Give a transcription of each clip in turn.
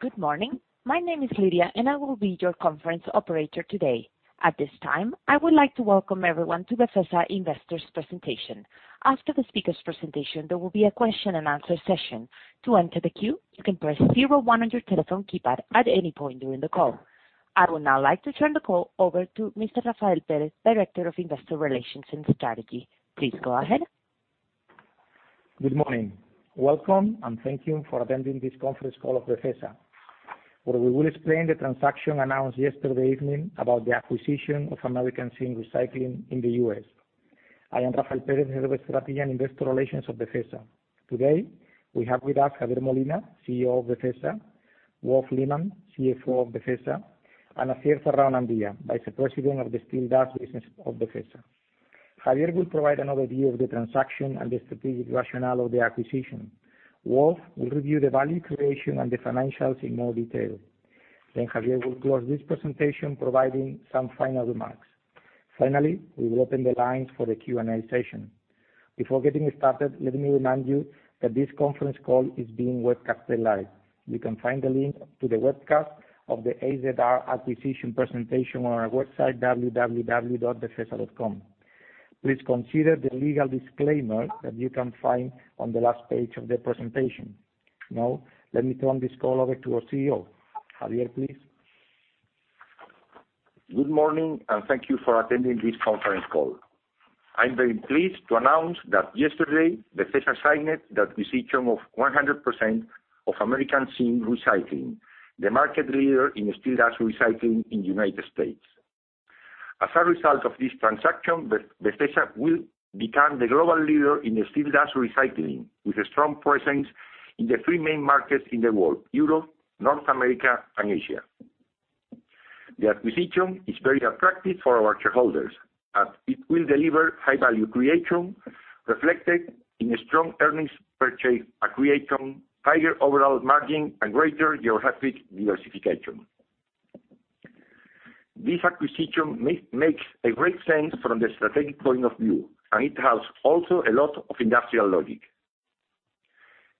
Good morning. My name is Lidia and I will be your conference operator today. At this time, I would like to welcome everyone to the Befesa Investors Presentation. After the speaker's presentation, there will be a question and answer session. To enter the queue, you can press zero one on your telephone keypad at any point during the call. I would now like to turn the call over to Mr. Rafael Pérez, Director of Investor Relations and Strategy. Please go ahead. Good morning. Welcome and thank you for attending this conference call of Befesa, where we will explain the transaction announced yesterday evening about the acquisition of American Zinc Recycling in the U.S. I am Rafael Pérez Herbert, Secretary and Investor Relations of Befesa. Today, we have with us Javier Molina, CEO of Befesa, Wolf Lehmann, CFO of Befesa, and Asier Zarraonandia Ayo, Vice President of the Steel Dust Business of Befesa. Javier will provide an overview of the transaction and the strategic rationale of the acquisition. Wolf will review the value creation and the financials in more detail. Javier will close this presentation, providing some final remarks. Finally, we will open the lines for the Q&A session. Before getting started, let me remind you that this conference call is being webcast live. You can find the link to the webcast of the AZR acquisition presentation on our website, www.befesa.com. Please consider the legal disclaimer that you can find on the last page of the presentation. Now, let me turn this call over to our CEO. Javier, please. Good morning, and thank you for attending this conference call. I'm very pleased to announce that yesterday, Befesa signed the acquisition of 100% of American Zinc Recycling, the market leader in steel dust recycling in the U.S. As a result of this transaction, Befesa will become the global leader in steel dust recycling, with a strong presence in the three main markets in the world, Europe, North America, and Asia. The acquisition is very attractive for our shareholders as it will deliver high-value creation reflected in strong earnings per share accretion, higher overall margin, and greater geographic diversification. This acquisition makes a great sense from the strategic point of view, and it has also a lot of industrial logic.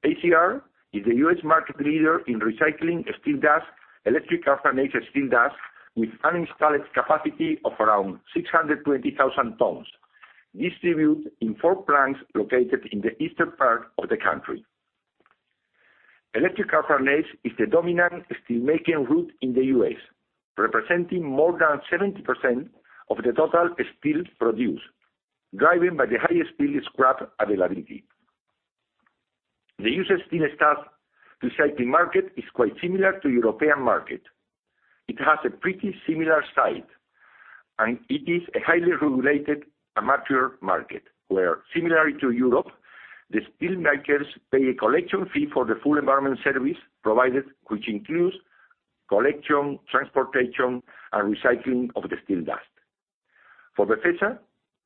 AZR is the U.S. market leader in recycling steel dust, electric arc furnace steel dust, with an installed capacity of around 620,000 tons, distributed in four plants located in the eastern part of the country. Electric arc furnace is the dominant steelmaking route in the U.S., representing more than 70% of the total steel produced, driven by the highest steel scrap availability. The U.S. steel dust recycling market is quite similar to European market. It has a pretty similar size, and it is a highly regulated mature market where, similarly to Europe, the steelmakers pay a collection fee for the full environmental service provided, which includes collection, transportation, and recycling of the steel dust. For Befesa,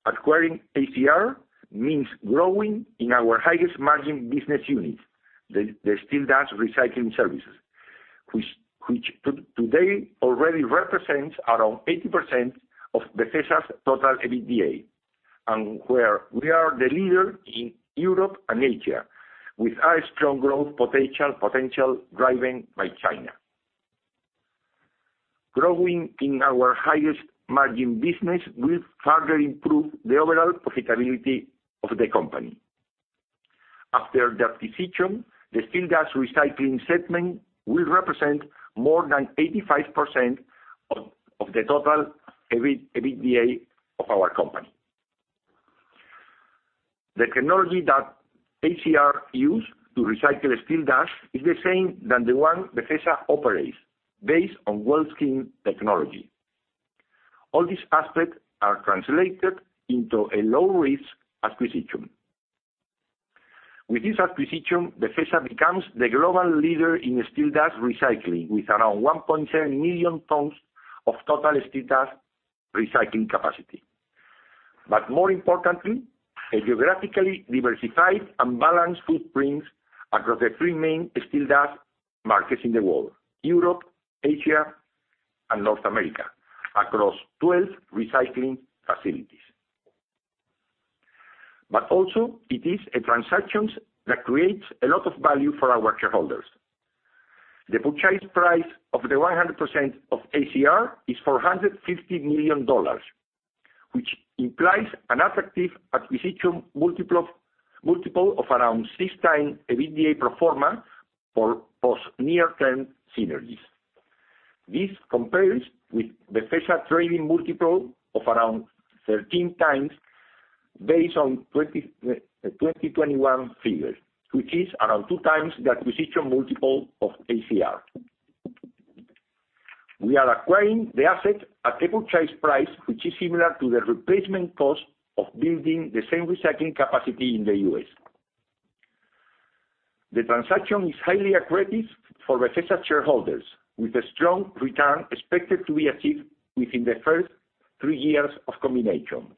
acquiring AZR means growing in our highest margin business unit, the steel dust recycling services, which today already represents around 80% of Befesa's total EBITDA, and where we are the leader in Europe and Asia, with high strong growth potential driven by China. Growing in our highest margin business will further improve the overall profitability of the company. After the acquisition, the steel dust recycling segment will represent more than 85% of the total EBITDA of our company. The technology that AZR use to recycle steel dust is the same as the one Befesa operates, based on world-scale technology. All these aspects are translated into a low-risk acquisition. With this acquisition, Befesa becomes the global leader in steel dust recycling, with around 1.7 million tons of total steel dust recycling capacity. More importantly, a geographically diversified and balanced footprint across the three main steel dust markets in the world, Europe, Asia, and North America, across 12 recycling facilities. Also it is a transaction that creates a lot of value for our shareholders. The purchase price of the 100% of AZR is $450 million, which implies an attractive acquisition multiple of around 6x EBITDA performance for post near-term synergies. This compares with Befesa trading multiple of around 13x based on 2021 figures, which is around 2x the acquisition multiple of AZR. We are acquiring the asset at a purchase price, which is similar to the replacement cost of building the same recycling capacity in the U.S. The transaction is highly accretive for Befesa shareholders, with a strong return expected to be achieved within the first three years of combination.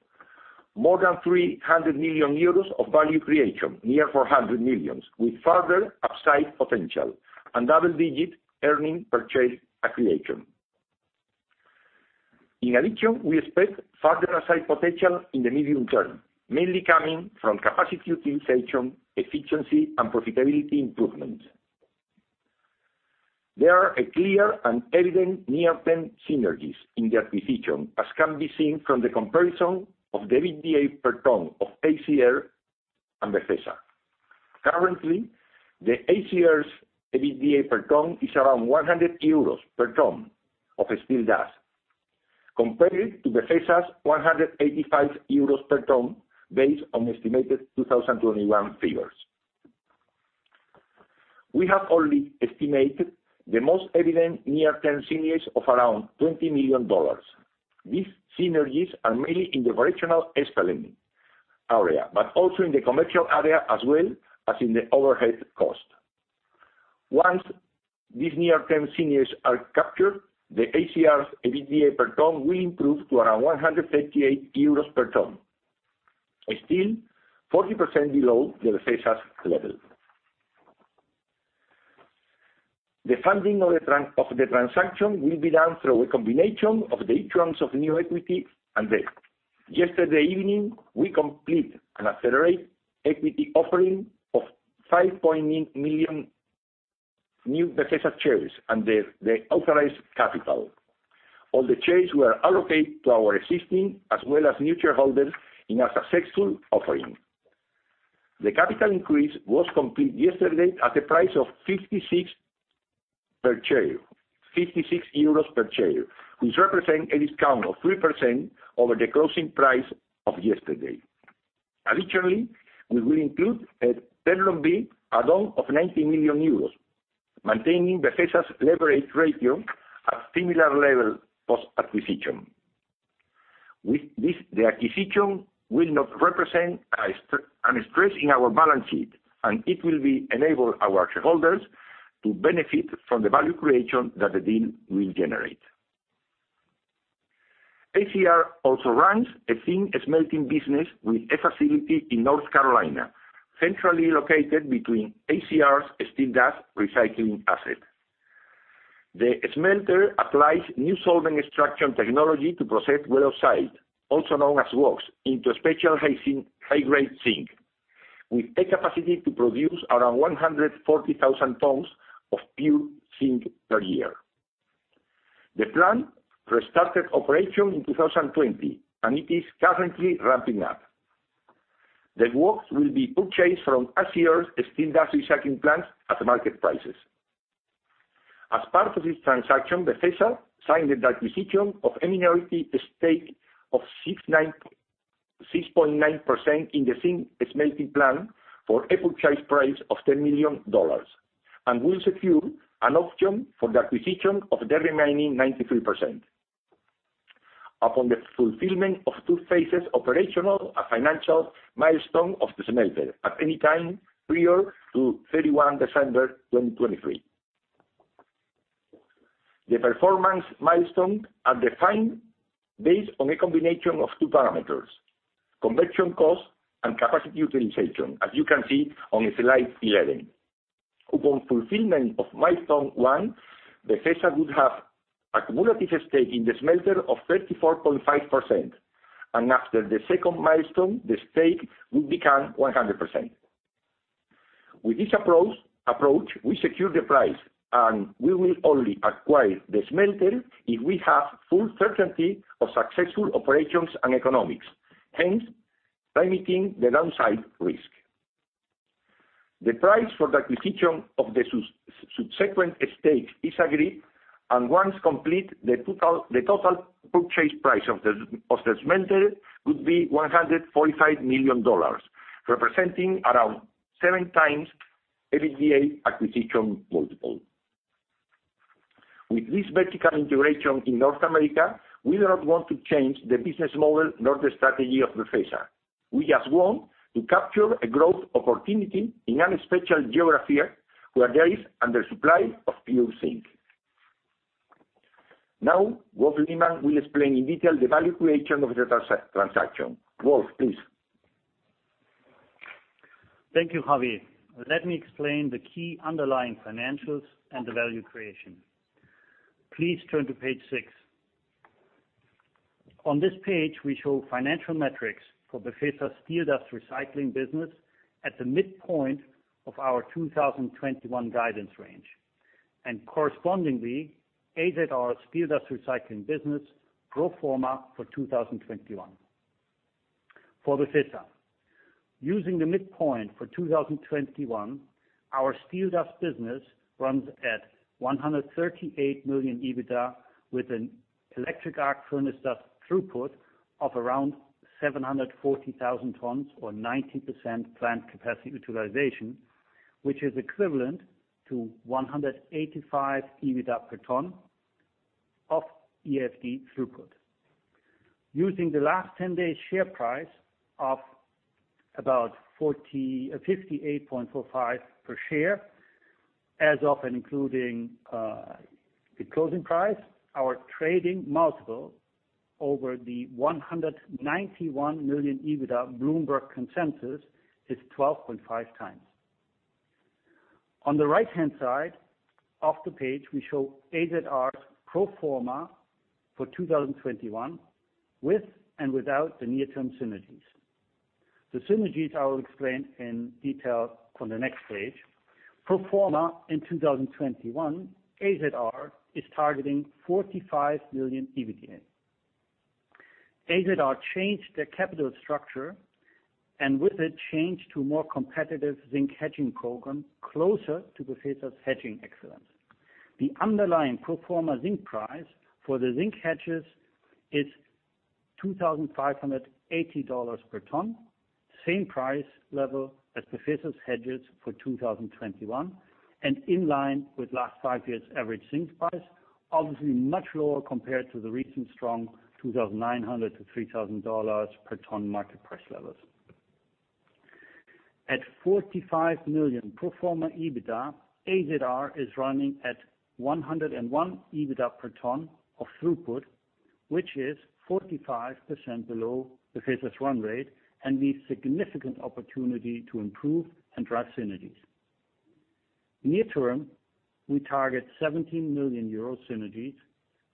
More than 300 million euros of value creation, near 400 million, with further upside potential and double-digit EPS accretion. In addition, we expect further upside potential in the medium term, mainly coming from capacity utilization, efficiency, and profitability improvements. There are clear and evident near-term synergies in the acquisition, as can be seen from the comparison of the EBITDA per ton of AZR and Befesa. Currently, AZR's EBITDA per ton is around 100 euros per ton of steel dust, compared to Befesa's 185 euros per ton, based on estimated 2021 figures. We have only estimated the most evident near-term synergies of around 20 million dollars. These synergies are mainly in the operational area, but also in the commercial area as well as in the overhead cost. Once these near-term synergies are captured, the AZR's EBITDA per ton will improve to around 138 euros per ton. Still, 40% below the Befesa's level. The funding of the transaction will be done through a combination of the issuance of new equity and debt. Yesterday evening, we completed an accelerated equity offering of 5.8 million new Befesa shares under the authorized capital. All the shares were allocated to our existing as well as new shareholders in a successful offering. The capital increase was completed yesterday at the price of 56 per share, which represents a discount of 3% over the closing price of yesterday. Additionally, we will include a term loan B amount of 90 million euros, maintaining Befesa's leverage ratio at similar levels post-acquisition. With this, the acquisition will not represent a stress in our balance sheet, and it will enable our shareholders to benefit from the value creation that the deal will generate. AZR also runs a zinc smelting business with a facility in North Carolina, centrally located between AZR's steel dust recycling assets. The smelter applies new solvent extraction technology to process Waelz oxide, also known as WOx, into Special High Grade zinc, with a capacity to produce around 140,000 tons of pure zinc per year. The plant restarted operation in 2020, and it is currently ramping up. The WOx will be purchased from AZR's steel dust recycling plants at market prices. As part of this transaction, Befesa signed an acquisition of a minority stake of 6.9% in the zinc smelting plant for a purchase price of $10 million and will secure an option for the acquisition of the remaining 93%. Upon the fulfillment of two phases, operational and financial milestone of the smelter at any time prior to December 31, 2023. The performance milestones are defined based on a combination of two parameters, conversion cost and capacity utilization, as you can see on slide 11. Upon fulfillment of milestone one, Befesa would have a cumulative stake in the smelter of 34.5%, and after the second milestone, the stake will become 100%. With this approach, we secure the price, and we will only acquire the smelter if we have full certainty of successful operations and economics, hence limiting the downside risk. The price for the acquisition of the subsequent stake is agreed, and once complete, the total purchase price of the smelter would be $145 million, representing around seven times EBITDA acquisition multiple. With this vertical integration in North America, we don't want to change the business model nor the strategy of Befesa. We just want to capture a growth opportunity in a special geography where there is under supply of pure zinc. Now, Wolf Lehmann will explain in detail the value creation of the transaction. Wolf, please. Thank you, Javier. Let me explain the key underlying financials and the value creation. Please turn to page six. On this page, we show financial metrics for Befesa steel dust recycling business at the midpoint of our 2021 guidance range, and correspondingly, AZR steel dust recycling business pro forma for 2021. For Befesa, using the midpoint for 2021, our steel dust business runs at 138 million EBITDA with an electric arc furnace dust throughput of around 740,000 tons or 90% plant capacity utilization, which is equivalent to 185 EBITDA per ton of EAFD throughput. Using the last 10-day share price of about 58.45 per share, as of including the closing price, our trading multiple over the 191 million EBITDA Bloomberg consensus is 12.5 times. On the right-hand side of the page, we show AZR pro forma for 2021 with and without the near-term synergies. The synergies I will explain in detail on the next page. Pro forma in 2021, AZR is targeting 45 million EBITDA. AZR changed their capital structure, and with it, changed to more competitive zinc hedging program closer to Befesa's hedging excellence. The underlying pro forma zinc price for the zinc hedges is $2,580 per ton, same price level as Befesa's hedges for 2021, and in line with last fiev years' average zinc price, obviously much lower compared to the recent strong $2,900-$3,000 per ton market price levels. At 45 million pro forma EBITDA, AZR is running at 101 EBITDA per ton of throughput, which is 45% below Befesa's run rate and leaves significant opportunity to improve and drive synergies. Near term, we target 70 million euro synergies,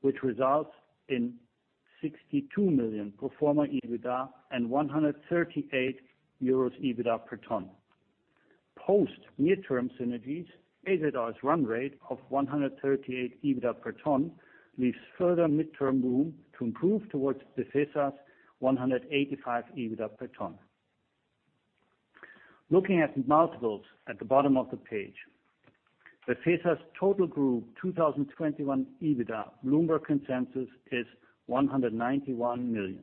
which results in 62 million pro forma EBITDA and 138 euros EBITDA per ton. Post near-term synergies, AZR's run rate of 138 EBITDA per ton leaves further midterm room to improve towards Befesa's 185 EBITDA per ton. Looking at multiples at the bottom of the page. Befesa's total group 2021 EBITDA Bloomberg consensus is 191 million.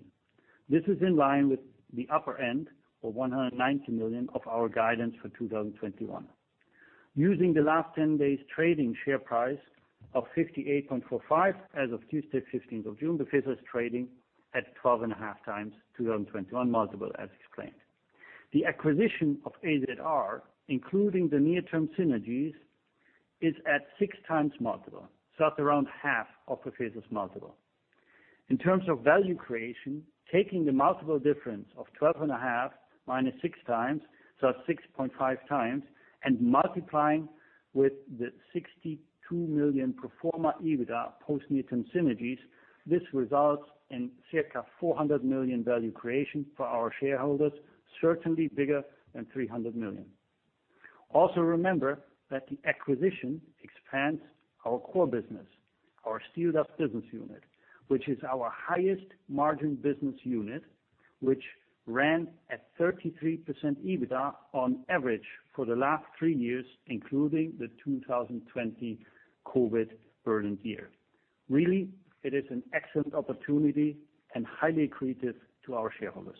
This is in line with the upper end of 190 million of our guidance for 2021. Using the last 10 days trading share price of 58.45 as of Tuesday, 15th of June, Befesa is trading at 12.5x 2021 multiple as explained. The acquisition of AZR, including the near-term synergies, is at 6x multiple, so at around half of Befesa's multiple. In terms of value creation, taking the multiple difference of 12.5 minus 6x, so at 6.5x, and multiplying with the 62 million pro forma EBITDA post near-term synergies, this results in circa 400 million value creation for our shareholders, certainly bigger than 300 million. Remember that the acquisition expands our core business, our steel dust business unit, which is our highest margin business unit, which ran at 33% EBITDA on average for the last three years, including the 2020 COVID burdened year. It is an excellent opportunity and highly accretive to our shareholders.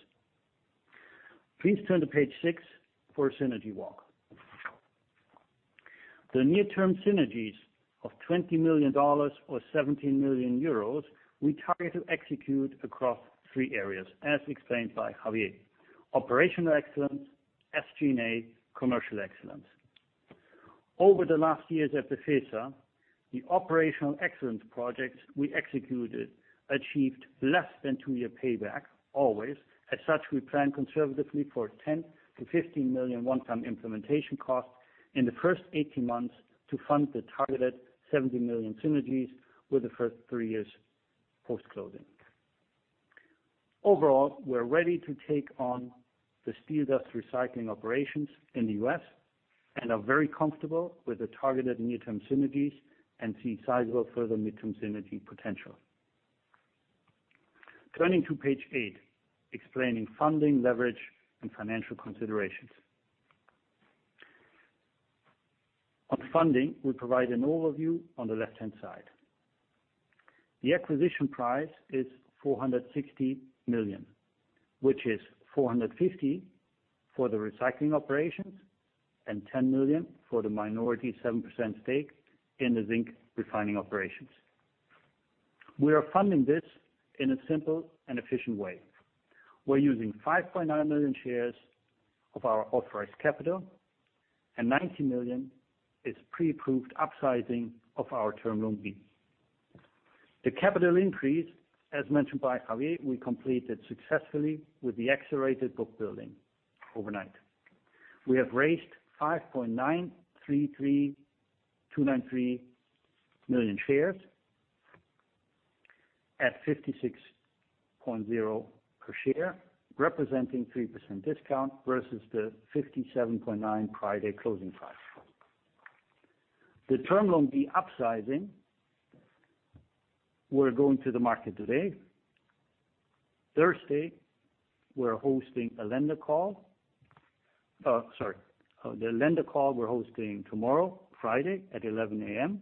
Please turn to page six for a synergy walk. The near-term synergies of EUR 20 million or 17 million euros we target to execute across three areas, as explained by Javier: operational excellence, SG&A, commercial excellence. Over the last years at Befesa, the operational excellence project we executed achieved less than two-year payback always. We plan conservatively for 10 million-15 million one-time implementation cost in the first 18 months to fund the targeted 70 million synergies with the first three years post-closing. Overall, we are ready to take on the steel dust recycling operations in the U.S. and are very comfortable with the targeted near-term synergies and see sizable further mid-term synergy potential. Turning to page eight, explaining funding leverage and financial considerations. On funding, we provide an overview on the left-hand side. The acquisition price is $460 million, which is $450 million for the recycling operations and $10 million for the minority 7% stake in the zinc refining operations. We are funding this in a simple and efficient way. We're using 5.9 million shares of our authorized capital and 90 million is pre-approved upsizing of our term loan B. The capital increase, as mentioned by Javier, we completed successfully with the accelerated book building overnight. We have raised 5.933293 million shares at 56.0 per share, representing 3% discount versus the 57.9 Friday closing price. The term loan B upsizing, we're going to the market today, Thursday, we're hosting a lender call. Sorry. The lender call we're hosting tomorrow, Friday, at 11:00 A.M.,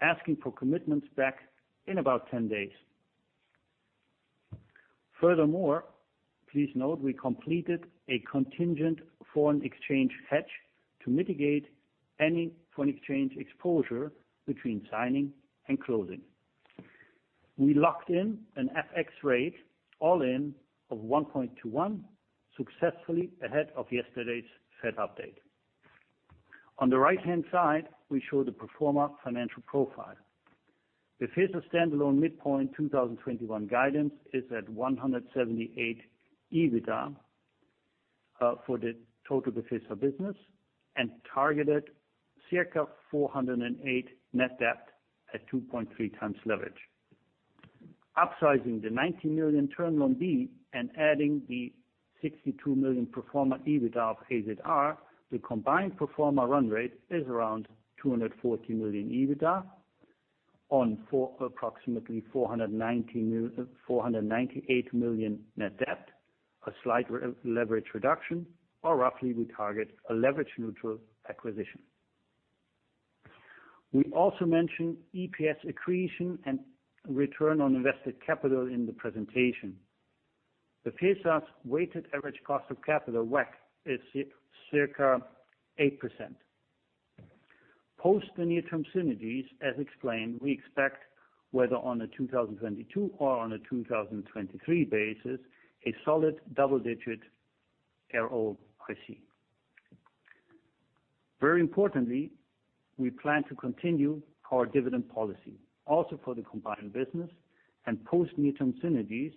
asking for commitments back in about 10 days. Furthermore, please note we completed a contingent foreign exchange hedge to mitigate any foreign exchange exposure between signing and closing. We locked in an FX rate all in of 1.21 successfully ahead of yesterday's Fed update. On the right-hand side, we show the pro forma financial profile. Befesa standalone midpoint 2021 guidance is at 178 million EBITDA for the total Befesa business and targeted circa 408 million net debt at 2.3x leverage. Upsizing the 90 million term loan B, adding the 62 million pro forma EBITDA of AZR, the combined pro forma run rate is around 240 million EBITDA on approximately 498 million net debt, a slight leverage reduction, or roughly we target a leverage neutral acquisition. We also mentioned EPS accretion and return on invested capital in the presentation. Befesa's weighted average cost of capital, WACC, is circa 8%. Post the near-term synergies, as explained, we expect whether on a 2022 or on a 2023 basis, a solid double-digit ROIC. Very importantly, we plan to continue our dividend policy also for the combined business and post near-term synergies.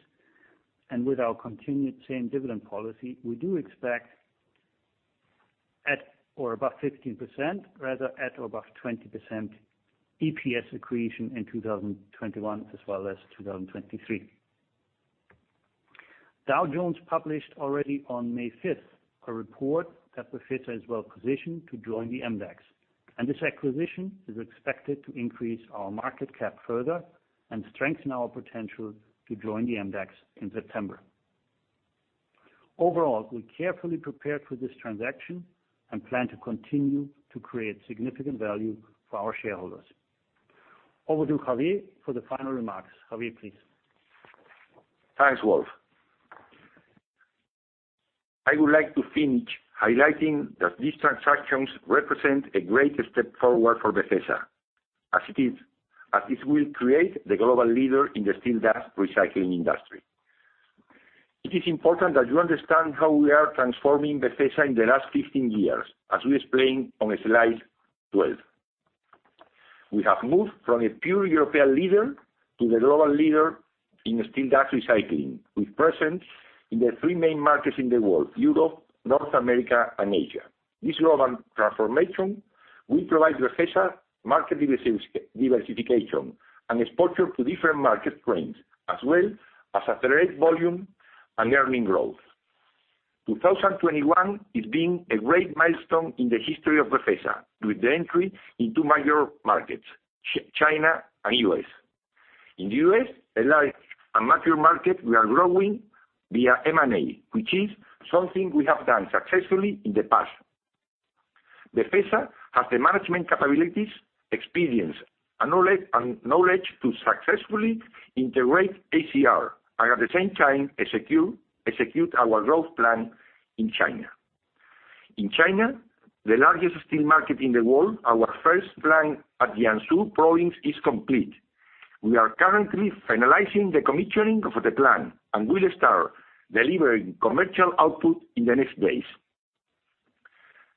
With our continued same dividend policy, we do expect at or above 15%, rather at or above 20% EPS accretion in 2021 as well as 2023. Dow Jones published already on May 5th a report that Befesa is well positioned to join the MDAX. This acquisition is expected to increase our market cap further and strengthen our potential to join the MDAX in September. Overall, we carefully prepared for this transaction and plan to continue to create significant value for our shareholders. Over to Javier for the final remarks. Javier, please. Thanks, Wolf. I would like to finish highlighting that these transactions represent a great step forward for Befesa, as it will create the global leader in the steel dust recycling industry. It is important that you understand how we are transforming Befesa in the last 15 years, as we explained on slide 12. We have moved from a pure European leader to the global leader in steel dust recycling, with presence in the three main markets in the world, Europe, North America, and Asia. This global transformation will provide Befesa market diversification and exposure to different market trends, as well as accelerate volume and earning growth. 2021 is being a great milestone in the history of Befesa with the entry into major markets, China and U.S. In the U.S., a large and mature market, we are growing via M&A, which is something we have done successfully in the past. Befesa has the management capabilities, experience, and knowledge to successfully integrate AZR and at the same time execute our growth plan in China. In China, the largest steel market in the world, our first plant at Jiangsu province is complete. We are currently finalizing the commissioning of the plant and will start delivering commercial output in the next days.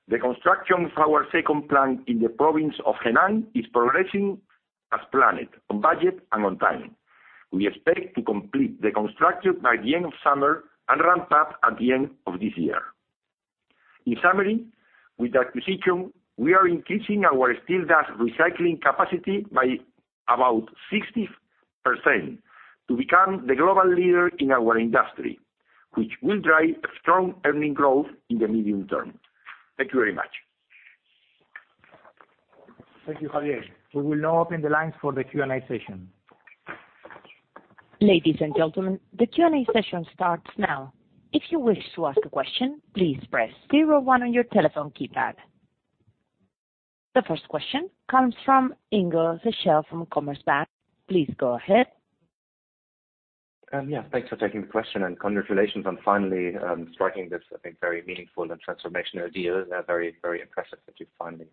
The construction of our second plant in the province of Henan is progressing as planned, on budget, and on time. We expect to complete the construction by the end of summer and ramp up at the end of this year. In summary, with acquisition, we are increasing our steel dust recycling capacity by about 60% to become the global leader in our industry, which will drive strong earning growth in the medium term. Thank you very much. Thank you, Javier. We will now open the lines for the Q&A session. Ladies and gentlemen, the Q&A session starts now. If you wish to ask a question, please press zero one on your telephone keypad. The first question comes from Ingo Schachel from Commerzbank. Please go ahead. Thanks for taking the question and congratulations on finally striking this, I think, very meaningful and transformational deal. Very, very impressive that you've finally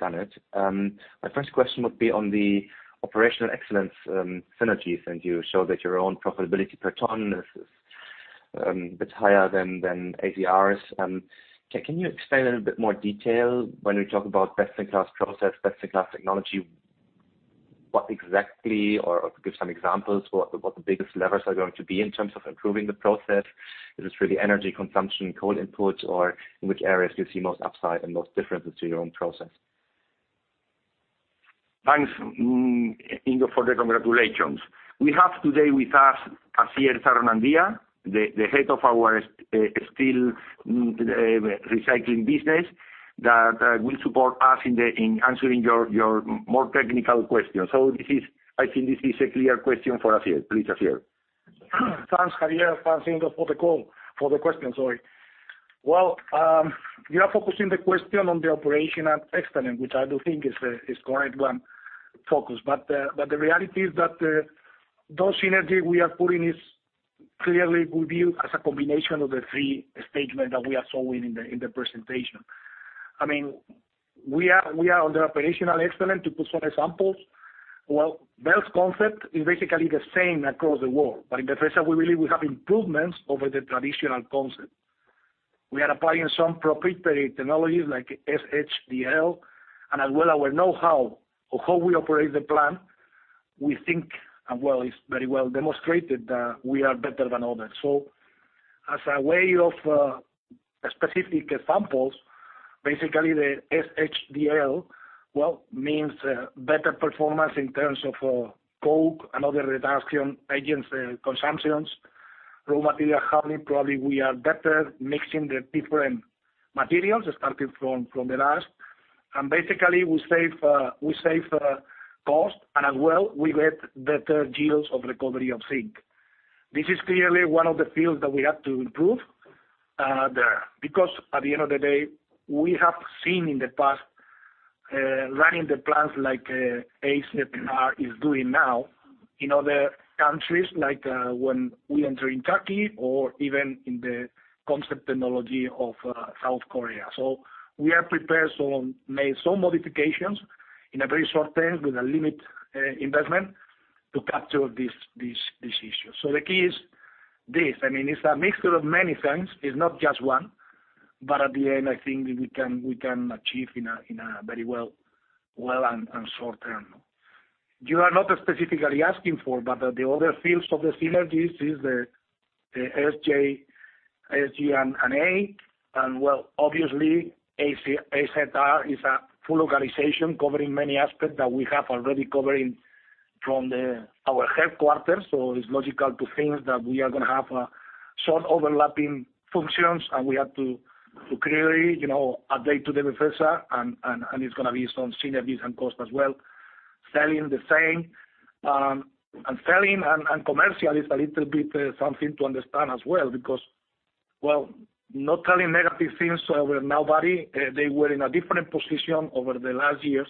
done it. My first question would be on the operational excellence synergies, and you showed that your own profitability per ton is a bit higher than AZR's. Can you explain a bit more detail when you talk about best-in-class process, best-in-class technology? What exactly, or give some examples, what the biggest levers are going to be in terms of improving the process? Is it through the energy consumption, coal inputs, or in which areas do you see most upside and most differences to your own process? Thanks, Ingo, for the congratulations. We have today with us, Asier Zarraonandia, the head of our steel recycling business that will support us in answering your more technical questions. I think this is a clear question for Asier. Please, Asier. Thanks, Javier. Thanks, Ingo, for the call, for the question. Sorry. You are focusing the question on the operational excellence, which I do think is correct one focus. The reality is that those synergy we are putting is clearly with you as a combination of the three statements that we are showing in the presentation. I mean, we are on the operational excellence. To put some examples, well, Waelz concept is basically the same across the world. In Befesa, we believe we have improvements over the traditional concept. We are applying some proprietary technologies like SDHL and as well our know-how of how we operate the plant. We think, well, it's very well demonstrated that we are better than others. As a way of specific examples, basically, the SDHL, well, means better performance in terms of coke and other reduction agents consumptions. Raw material handling, probably we are better mixing the different materials starting from the last. Basically, we save cost and as well, we get better yields of recovery of zinc. This is clearly one of the fields that we have to improve there. At the end of the day, we have seen in the past, running the plants like AZR is doing now in other countries, like when we enter in Turkey or even in the concept technology of South Korea. We are prepared to make some modifications in a very short time with a limited investment to capture this issue. The key is this. It's a mixture of many things. It's not just one, but at the end, I think we can achieve in a very well and short term. You are not specifically asking for, but the other fields of the synergies is the SG&A. Well, obviously, AZR is a full organization covering many aspects that we have already covering from our headquarters. It's logical to think that we are going to have some overlapping functions and we have to clearly update to the Befesa, and it's going to be some synergies and cost as well. Selling the same, and selling and commercial is a little bit something to understand as well, because not very negative things over nobody. They were in a different position over the last years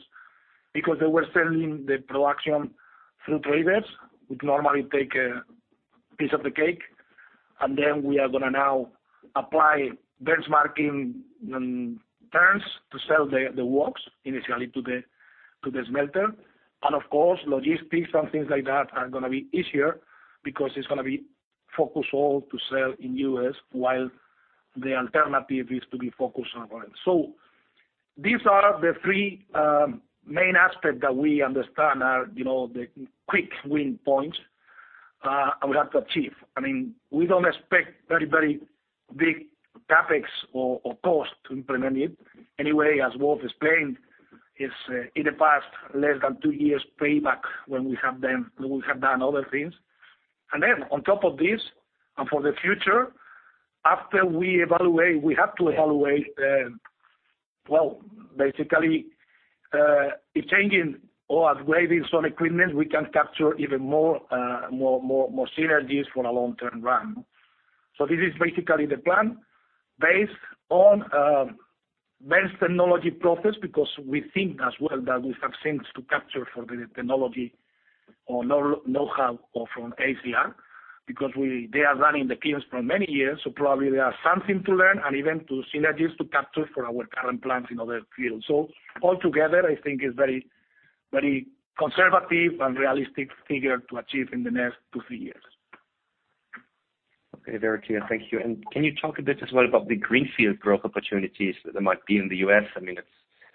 because they were selling the production through traders, who would normally take a piece of the cake. We are going to now apply benchmarking terms to sell the works initially to the smelter. Of course, logistics and things like that are going to be easier because it's going to be focused all to sell in the U.S., while the alternative is to be focused on Europe. These are the three main aspects that we understand are the quick win points we have to achieve. We don't expect very, very big CapEx or cost to implement it. As Wolf is saying, it's in the past less than two years payback when we have done other things. On top of this, and for the future, after we evaluate, we have to evaluate, well, basically, changing or upgrading some equipment, we can capture even more synergies for a long-term run. This is basically the plan based on best technology process, because we think as well that we have things to capture for the technology or know-how from AZR, because they are running the plants for many years, so probably there are some things to learn and even synergies to capture for our current plants in other fields. Altogether, I think a very conservative and realistic figure to achieve in the next two, three years. Okay. Thank you. Can you talk a bit as well about the greenfield growth opportunities that there might be in the U.S.? It's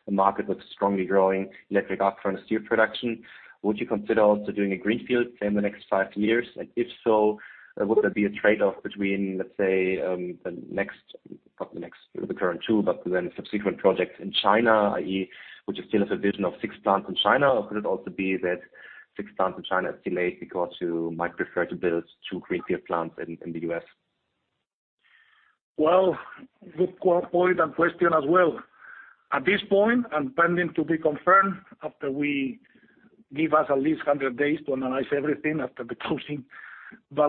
a market that's strongly growing, electric arc furnace steel production. Would you consider also doing a greenfield in the next five years? If so, would there be a trade-off between, let’s say, the current two, but then subsequent projects in China, i.e., would you still have a vision of six plants in China, or could it also be that six plants in China is delayed because you might prefer to build two greenfield plants in the U.S.? Good point and question as well. At this point, pending to be confirmed after we give us at least 100 days to analyze everything after the closing,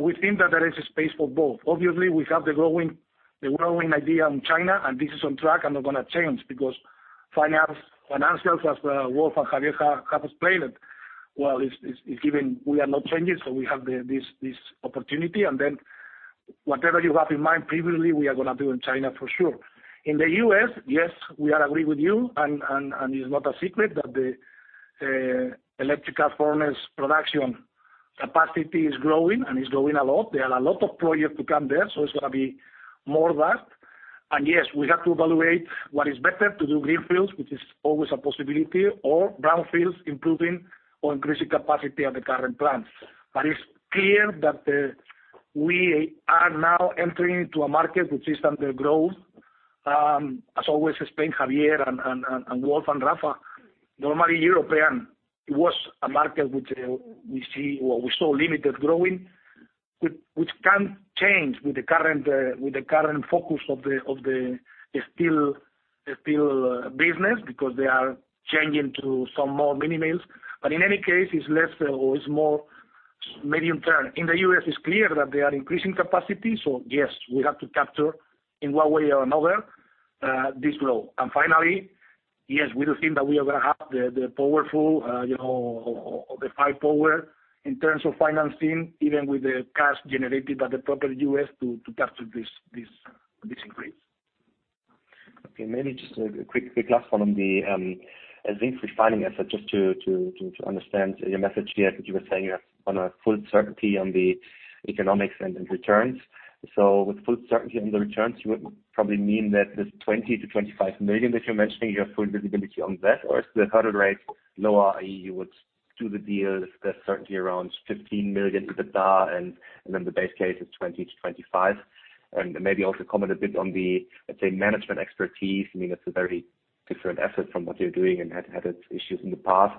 we think that there is space for both. Obviously, we have the growing idea in China, this is on track and not going to change because financials, as Wolf Tiedemann and Javier Molina Montes have explained, well, we are not changing, we have this opportunity, whatever you have in mind previously, we are going to do in China for sure. In the U.S., yes, we agree with you, it's not a secret that the electric arc furnace production capacity is growing, it's growing a lot. There are a lot of projects to come there, it's going to be more of that. Yes, we have to evaluate what is better to do greenfields, which is always a possibility, or brownfields, improving or increasing capacity at the current plant. It's clear that we are now entering into a market which is under growth. As always, explain Javier and Wolf and Rafael, normally European, it was a market which we saw limited growing, which can change with the current focus of the steel business because they are changing to some more mini mills. In any case, it's less or it's more medium-term. In the U.S., it's clear that they are increasing capacity. Yes, we have to capture in one way or another, this role. Finally, yes, we do think that we are going to have the powerful, the high power in terms of financing, even with the cash generated by the property of U.S. to capture this increase. Maybe just a quick follow-up on the zinc refining asset, just to understand your message here. You were saying on a full certainty on the economics and the returns. With full certainty on the returns, you would probably mean that the 20 million-25 million that you're mentioning, you have full visibility on that, or is the hurdle rate lower, i.e., you would do the deals that's certainly around 15 million EBITDA, and then the base case is 20 million-25 million? Maybe also comment a bit on the, I'd say, management expertise. I mean, that's a very different asset from what you're doing and had issues in the past.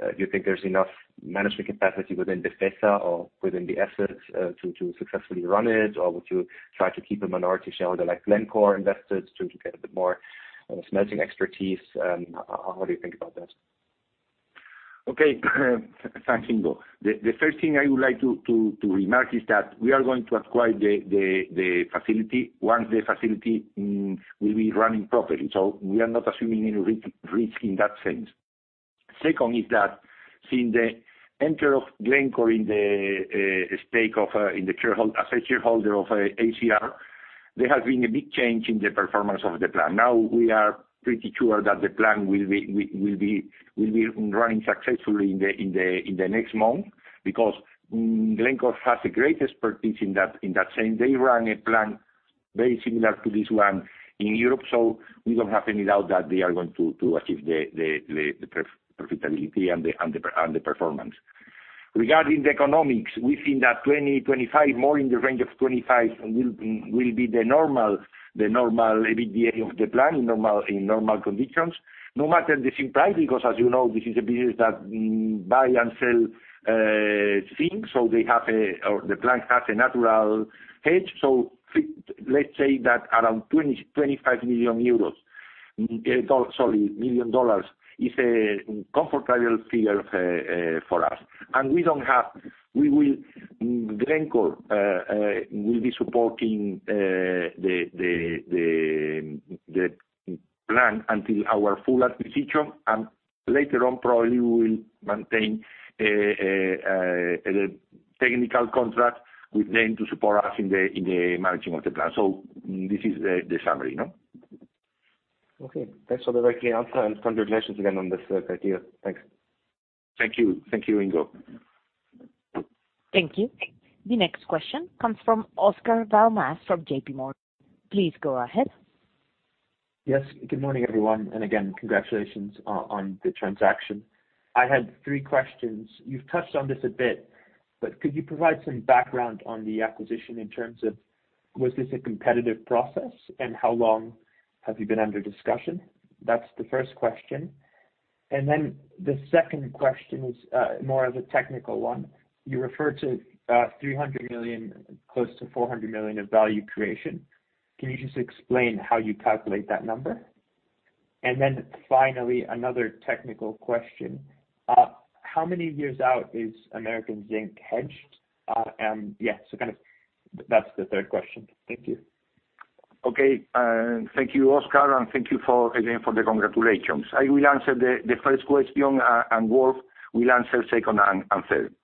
Do you think there's enough management capacity within Befesa or within the asset to successfully run it? Or would you try to keep a minority shareholder like Glencore invested to get a bit more management expertise? How do you think about that? Okay. Thanks, Ingo. The first thing I would like to remark is that we are going to acquire the facility once the facility will be running properly. We are not assuming any risk in that sense. Second is that since the entry of Glencore as a shareholder of AZR, there has been a big change in the performance of the plant. We are pretty sure that the plant will be running successfully in the next month because Glencore has a great expertise in that sense. They run a plant very similar to this one in Europe, we don't have any doubt that they are going to achieve the profitability and the performance. Regarding the economics, we think that $20 million-$25 million, more in the range of $25 million, will be the normal EBITDA of the plant in normal conditions, no matter the zinc price, because as you know, this is a business that buy and sell zinc, or the plant has a natural hedge. Let's say that around $25 million is a comfortable figure for us. Glencore will be supporting the plant until our full acquisition, and later on, probably we will maintain a technical contract with them to support us in the managing of the plant. This is the summary. Okay. Thanks for the working answer, and congratulations again on this idea. Thanks. Thank you, Ingo. Thank you. The next question comes from Oscar Val Mas from JPMorgan. Please go ahead. Yes, good morning, everyone. Again, congratulations on the transaction. I had three questions. You've touched on this a bit, could you provide some background on the acquisition in terms of, was this a competitive process, how long have you been under discussion? That's the first question. The second question is more of a technical one. You referred to $300 million, close to $400 million of value creation. Can you just explain how you calculate that number? Finally, another technical question. How many years out is American Zinc hedged? That's the third question. Thank you. Okay. Thank you, Oscar, and thank you again for the congratulations. I will answer the first question, and Wolf will answer the second and third.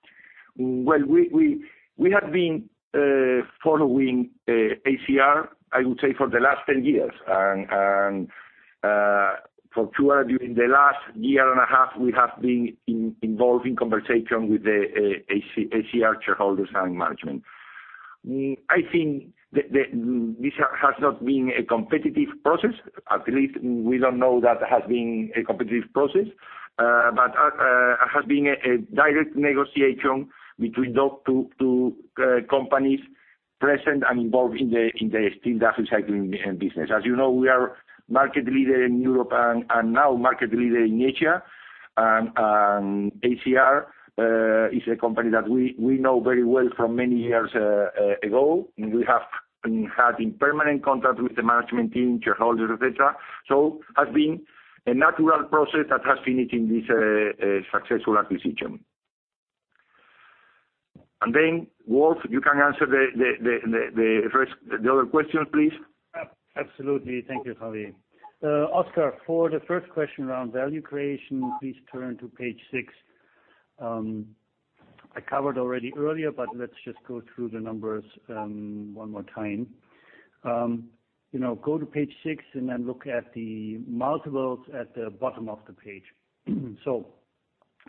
Well, we have been following AZR, I would say, for the last 10 years, and for sure during the last year and a half, we have been involved in conversation with the AZR shareholders and management. I think that this has not been a competitive process. At least we don't know that it has been a competitive process, but has been a direct negotiation between two companies present and involved in the steel dust recycling business. As you know, we are market leader in Europe and now market leader in Asia, and AZR is a company that we know very well from many years ago. We have been having permanent contact with the management team, shareholders, et cetera. It has been a natural process that has finished in this successful acquisition. Wolf, you can answer the other question, please. Absolutely. Thank you, Javier. Oscar, for the first question around value creation, please turn to page six. I covered already earlier, let's just go through the numbers one more time. Go to page siz, look at the multiples at the bottom of the page.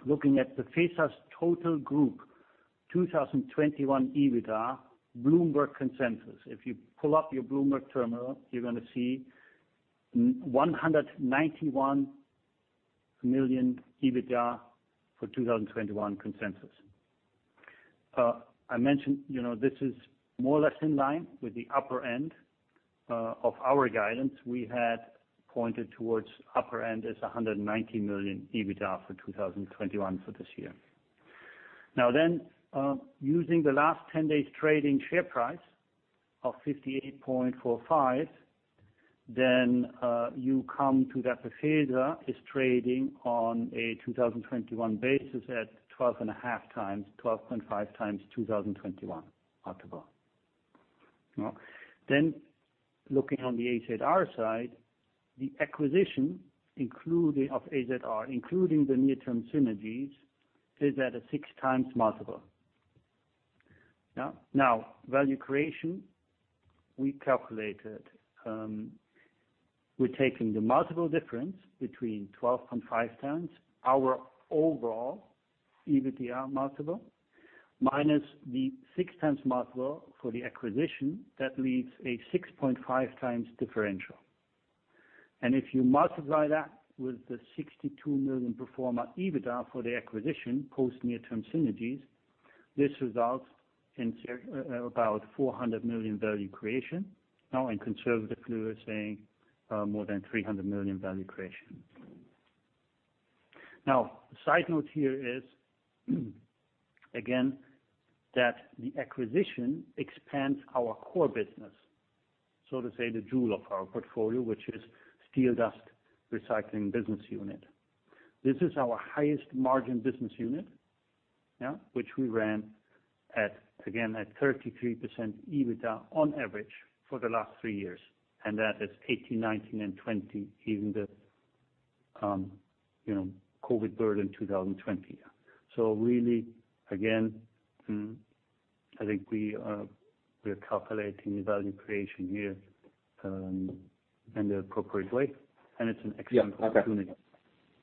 Looking at Befesa's total group 2021 EBITDA, Bloomberg consensus. If you pull up your Bloomberg terminal, you're going to see 191 million EBITDA for 2021 consensus. I mentioned this is more or less in line with the upper end of our guidance. We had pointed towards upper end as 190 million EBITDA for 2021 for this year. Using the last 10 days trading share price of 58.45, you come to that Befesa is trading on a 2021 basis at 12.5x, 12.5x 2021 multiple. Looking on the AZR side, the acquisition of AZR, including the near-term synergies, sits at a 6x multiple. Value creation, we calculated. We're taking the multiple difference between 12x and 5x our overall EBITDA multiple, minus the 6x multiple for the acquisition. That leaves a 6.5x differential. If you multiply that with the 62 million pro forma EBITDA for the acquisition post near-term synergies, this results in about 400 million value creation. In conservative, we were saying more than 300 million value creation. The side note here is, again, that the acquisition expands our core business, so to say, the jewel of our portfolio, which is steel dust recycling business unit. This is our highest margin business unit which we ran at, again, at 33% EBITDA on average for the last three years, and that is 2018, 2019, and 2020, given the COVID burden 2020. Really, again, I think we are calculating the value creation here in the appropriate way, and it's an excellent opportunity.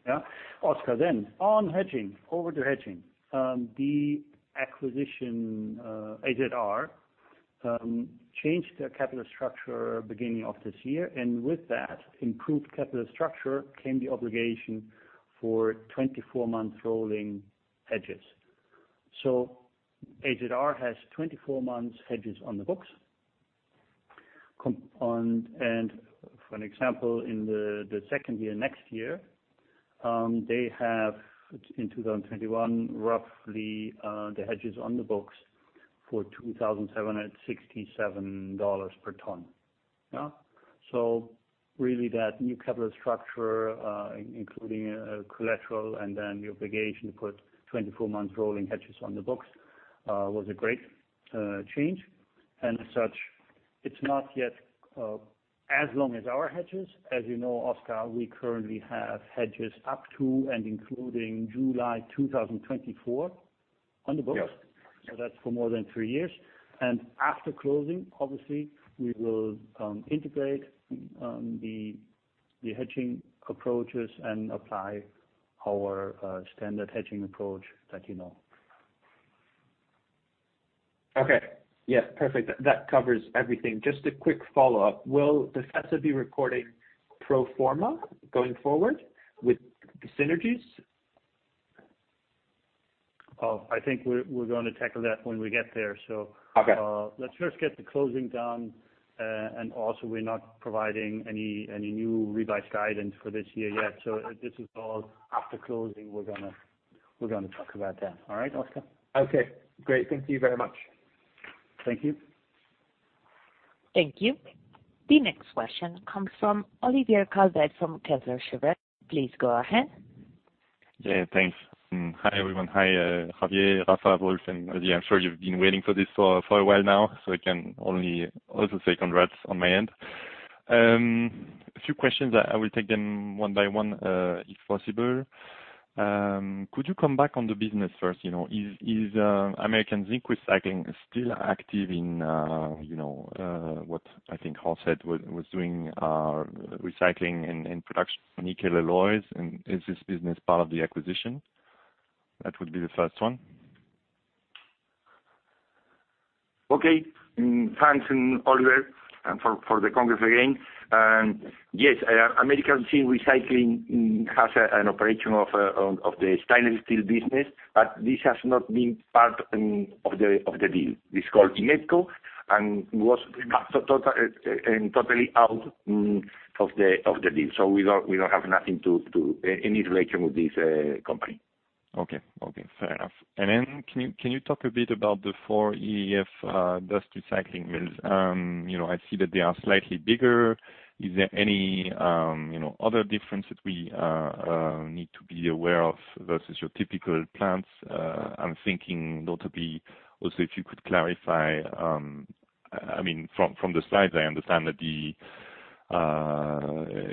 Yeah, okay. Oscar, on hedging, forward hedging. The acquisition, AZR, changed their capital structure beginning of this year, and with that improved capital structure came the obligation for 24-month rolling hedges. AZR has 24 months hedges on the books. For example, in the second year, next year, they have in 2021, roughly, the hedges on the books for $2,767 per ton. Really that new capital structure, including collateral and then the obligation to put 24 months rolling hedges on the books, was a great change. As such, it's not yet as long as our hedges. As you know, Oscar, we currently have hedges up to and including July 2024 on the books. Yeah. That's for more than three years. After closing, obviously, we will integrate the hedging approaches and apply our standard hedging approach that you know. Okay. Yeah, perfect. That covers everything. Just a quick follow-up. Will Befesa be recording pro forma going forward with the synergies? I think we're going to tackle that when we get there. Okay. Also, we're not providing any new revised guidance for this year yet. This is all after closing, we're going to talk about then. All right, Oscar? Okay, great. Thank you very much. Thank you. Thank you. The next question comes from Olivier Calvet from Kepler Cheuvreux. Please go ahead. Yeah, thanks. Hi, everyone. Hi, Javier, Rafael, and Asier. I'm sure you've been waiting for this for a while now, so I can only also say congrats on my end. A few questions. I will take them one by one, if possible. Could you come back on the business first? Is American Zinc Recycling still active in what I think Hans said was doing recycling and production of nickel alloys? Is this business part of the acquisition? That would be the first one. Okay. Thanks, Olivier, for the congrats again. Yes, American Zinc Recycling has an operation of the stainless steel business, but this has not been part of the deal. It's called Inmetco, and it was totally out of the deal. We don't have nothing to any relation with this company. Okay. Fair enough. Can you talk a bit about the four EAF dust recycling mills? I see that they are slightly bigger. Is there any other difference that we need to be aware of versus your typical plants? I'm thinking notably also if you could clarify, from the slides, I understand that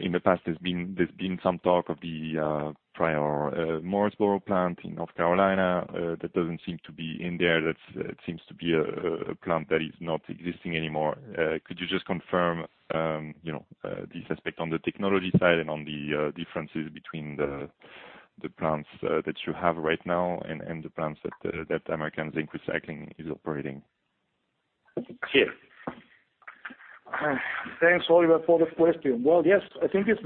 in the past, there's been some talk of the prior Mooresboro plant in North Carolina. That doesn't seem to be in there. That seems to be a plant that is not existing anymore. Could you just confirm this aspect on the technology side and on the differences between the plants that you have right now and the plants that American Zinc Recycling is operating? Okay. Thanks, Olivier, for the question. Yes, I think it's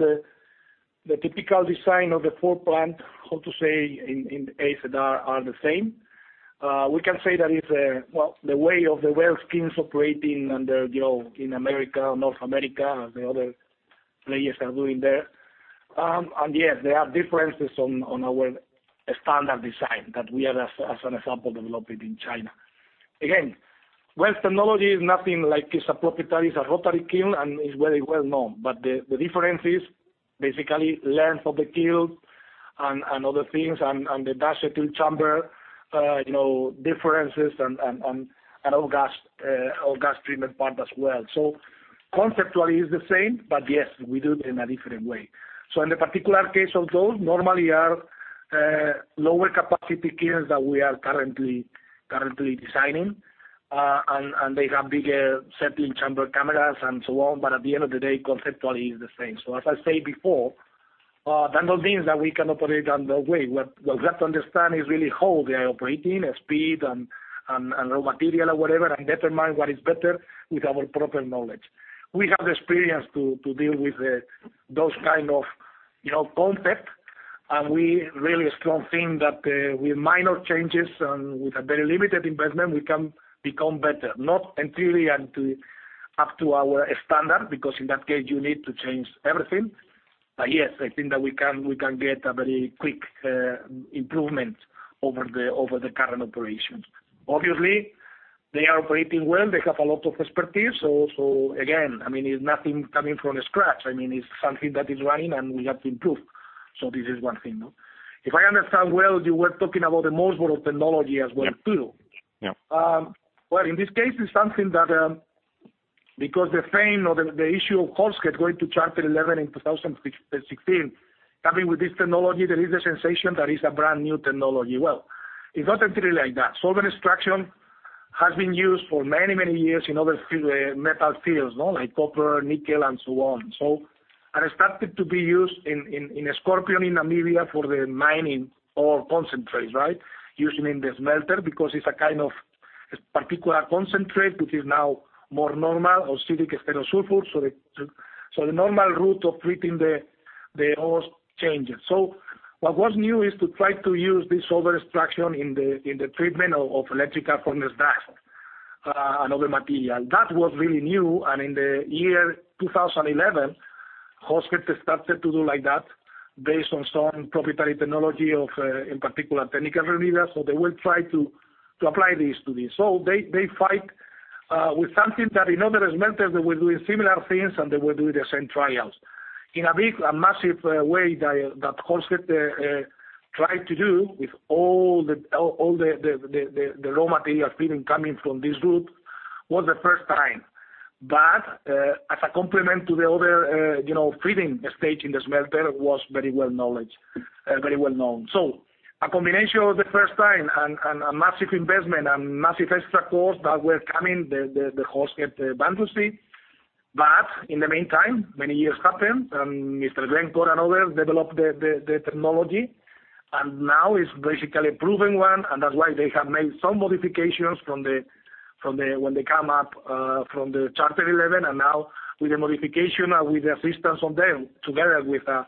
the typical design of the four plant in AZR are the same. We can say that it's the way of the Waelz kilns operating in America, North America, the other players are doing there. Yes, there are differences on our standard design that we are as an example, developed in China. Again, Waelz technology is a proprietary rotary kiln and is very well known. The difference is basically length of the kiln and other things, and the gas heat chamber differences and gas treatment part as well. Conceptually is the same, but yes, we do it in a different way. In the particular case of those normally are Lower capacity kilns that we are currently designing, and they can be settling chambers and so on, but at the end of the day, conceptually is the same. As I said before, that doesn't mean that we cannot operate it on the way. What we have to understand is really how they are operating, speed and raw material or whatever, and determine what is better with our proper knowledge. We have the experience to deal with those kind of contact, and we really strong think that with minor changes and with a very limited investment, we can become better. Not entirely up to our standard, because in that case, you need to change everything. Yes, I think that we can get a very quick improvement over the current operations. Obviously, they are operating well. They have a lot of expertise. Again, it's nothing coming from scratch. It's something that is running, and we have to improve. This is one thing. If I understand well, you were talking about the Mooresboro technology as well, too. Yeah. Well, in this case, it's something that because the fail or the issue of Horsehead going to Chapter 11 in 2016, coming with this technology, there is a sensation that is a brand-new technology. Well, it's not entirely like that. solvent extraction has been used for many, many years in other metal fields, like copper, nickel, and so on. I expect it to be used in Skorpion in Namibia for the mining ore concentrates, right? Used in the smelter because it's a kind of particular concentrate, which is now more normal, acidic steel sulfur. The normal route of treating the ores changes. What was new is to try to use this solvent extraction in the treatment of electric furnace dust and other material. That was really new, and in the year 2011, Horsehead started to do like that based on some proprietary technology of, in particular, technical leaders. They will try to apply this to this. They fight with something that in other smelters they were doing similar things, and they were doing the same trials. In a big, massive way that Horsehead tried to do with all the raw material feeding coming from this route was the first time. As a complement to the other feeding stage in the smelter was very well-known. A combination of the first time and a massive investment and massive extra cost that were coming, the Horsehead bankruptcy. In the meantime, many years happened, and Mr. Drenkow and others developed the technology, and now it's basically a proven one, and that's why they have made some modifications from when they come up from the Chapter 11, and now with the modification and with the assistance of them, together with a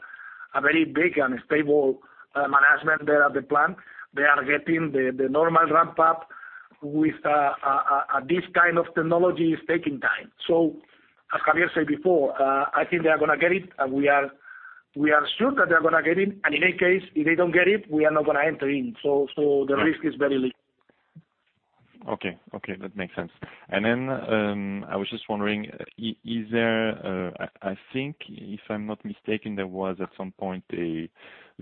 very big and stable management there at the plant, they are getting the normal ramp-up with this kind of technology is taking time. As Javier said before, I think they're going to get it, and we are sure that they're going to get it, and in any case, if they don't get it, we are not going to enter in. The risk is very little. Okay. That makes sense. I was just wondering, I think if I'm not mistaken, there was at some point an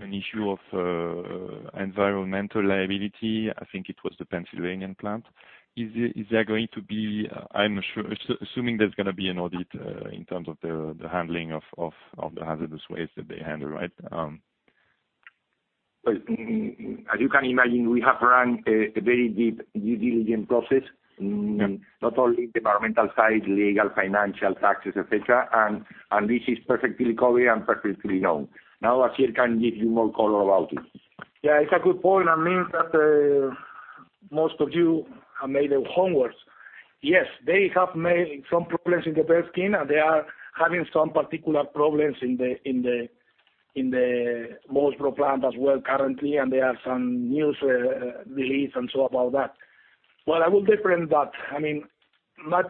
issue of environmental liability. I think it was the Pennsylvania plant. I'm assuming there's going to be an audit in terms of the handling of the hazardous waste that they handle, right? Well, as you can imagine, we have run a very deep due diligence process. Okay. Not only departmental side, legal, financial, taxes, et cetera, and this is perfectly covered and perfectly known. Javier can give you more color about it. Yeah, it's a good point. It means that most of you have made your homework. They have made some problems in the Waelz kiln, and they are having some particular problems in the Mooresboro plant as well currently, and they have some news release and so about that. I will differ in that. Our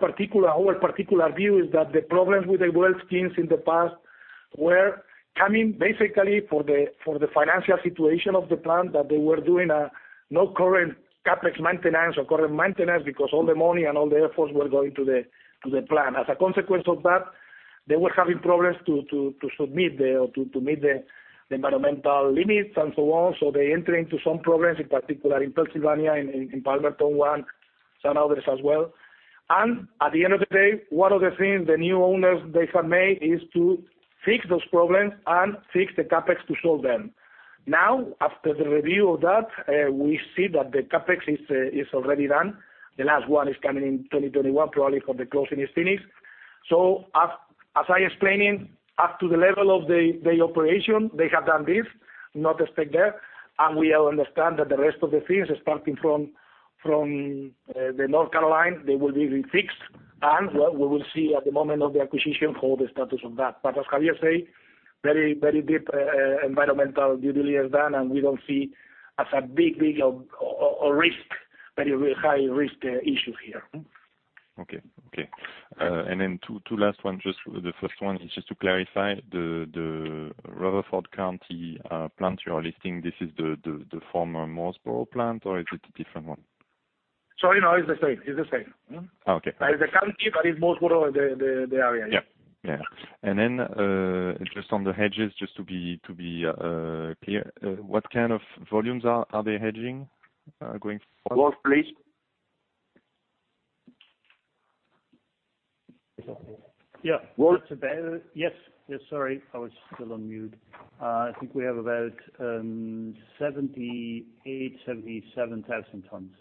particular view is that the problems with the Waelz kilns in the past were coming basically for the financial situation of the plant, that they were doing no current CapEx maintenance or current maintenance because all the money and all the efforts were going to the plant. As a consequence of that, they were having problems to meet the environmental limits and so on. They enter into some problems, in particular in Pennsylvania, in Palmerton one, some others as well. At the end of the day, one of the things the new owners they have made is to fix those problems and fix the CapEx to show them. After the review of that, we see that the CapEx is already done. The last one is coming in 2021, probably, for the closing is finished. As I explained, up to the level of the operation, they have done this, not expected. We understand that the rest of the things, starting from the local line, they will be refixed. We will see at the moment of the acquisition for the status of that. As Asier said, very deep environmental due diligence done, and we don't see as a big risk, very high-risk issue here. Okay. Then two last ones. The first one is just to clarify the Rutherford County plant you are listing. This is the former Mooresboro plant, or is it a different one? Sorry, no, it's the same. Okay. The county is Mooresboro, the area. Yeah. Then just on the hedges, just to be clear, what kind of volumes are they hedging going forward? Yeah. Yes. Sorry, I was still on mute. I think we have about 78,000, 77,000 tons.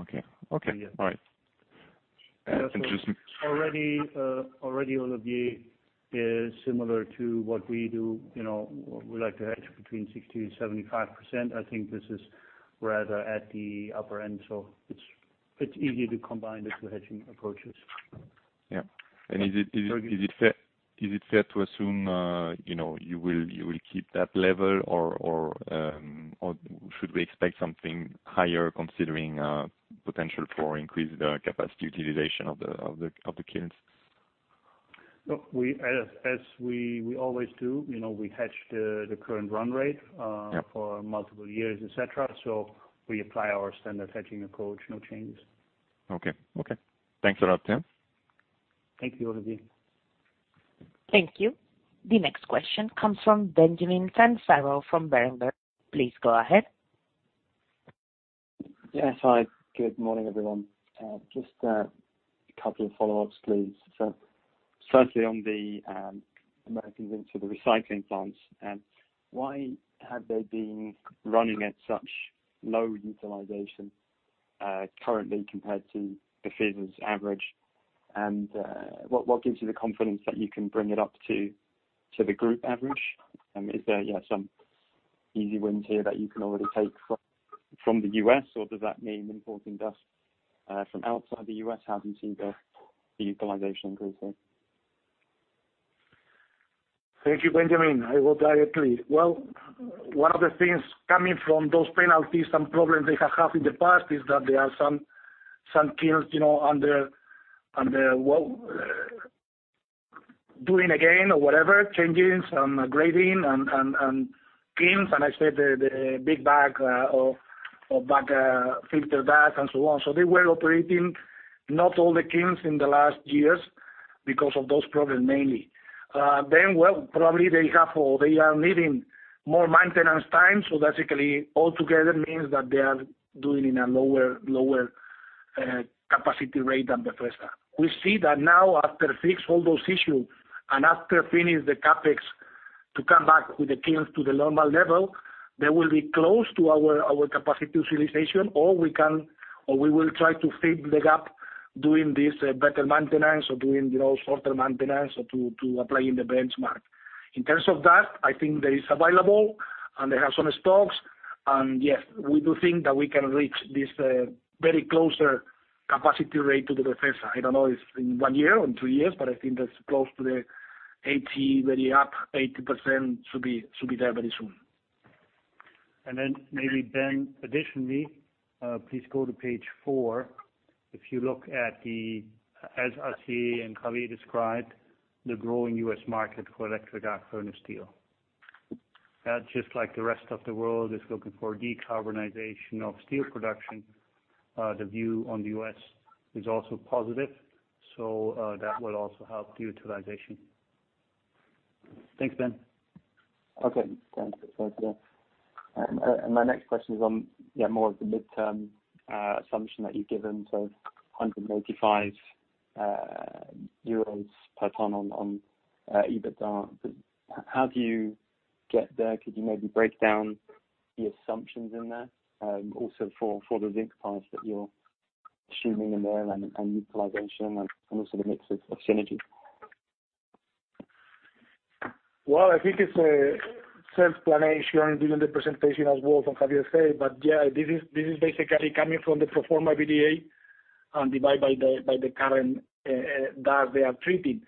Okay. All right. Already, Olivier, similar to what we do, we like to hedge between 60% and 75%. I think this is rather at the upper end, so it's easy to combine the two hedging approaches. Yeah. Is it fair to assume you will keep that level, or should we expect something higher considering potential for increased capacity utilization of the kilns? Look, as we always do, we hedge the current run rate for multiple years, et cetera. We apply our standard hedging approach, no change. Okay. Thanks for that, Tim. Thank you, Olivier. Thank you. The next question comes from Benjamin Pfannes from Berenberg. Please go ahead. Yes. Hi, good morning, everyone. Just a couple of follow-ups, please. Firstly, on the American Zinc Recycling plants, why have they been running at such low utilization currently compared to Befesa's average? What gives you the confidence that you can bring it up to the group average? Is there some easy wins here that you can already take from the U.S., or does that mean importing dust from outside the U.S., having seen the utilization increase there? Thank you, Benjamin. I go directly. Well, one of the things coming from those penalties and problems they have had in the past is that there are some kilns underdoing again or whatever, changing some grading and kilns, and I said the big bag of baghouse filter dust and so on. They were operating not all the kilns in the last years because of those problems mainly. Well, probably they have or they are needing more maintenance time, so basically altogether means that they are doing a lower capacity rate than Befesa. We see that now after fixing all those issues and after finishing the CapEx to come back with the kilns to the normal level, they will be close to our capacity utilization, or we will try to fill the gap doing this better maintenance or doing those shorter maintenance or to applying the benchmark. In terms of that, I think there is available and they have some stocks. Yes, we do think that we can reach this very closer capacity rate to Befesa. I don't know if in one year or in two years, I think that's close to the 80, very up, 80% should be there very soon. Maybe, Ben, additionally, please go to page four. If you look at as Javier and Asier described, the growing U.S. market for electric arc furnace steel. Just like the rest of the world is looking for decarbonization of steel production, the view on the U.S. is also positive, so that will also help the utilization. Thanks, Ben. Okay. Thank you. My next question is on more of the midterm assumption that you've given, so 185 euros per ton on EBITDA. How do you get there? Could you maybe break down the assumptions in there? Also for the zinc plants that you're assuming in there and utilization and also the mix of synergies. Well, I think it's a self-explanation during the presentation as well from Javier's side. Yeah, this is basically coming from the pro forma EBITDA and divide by the current tons they are treating.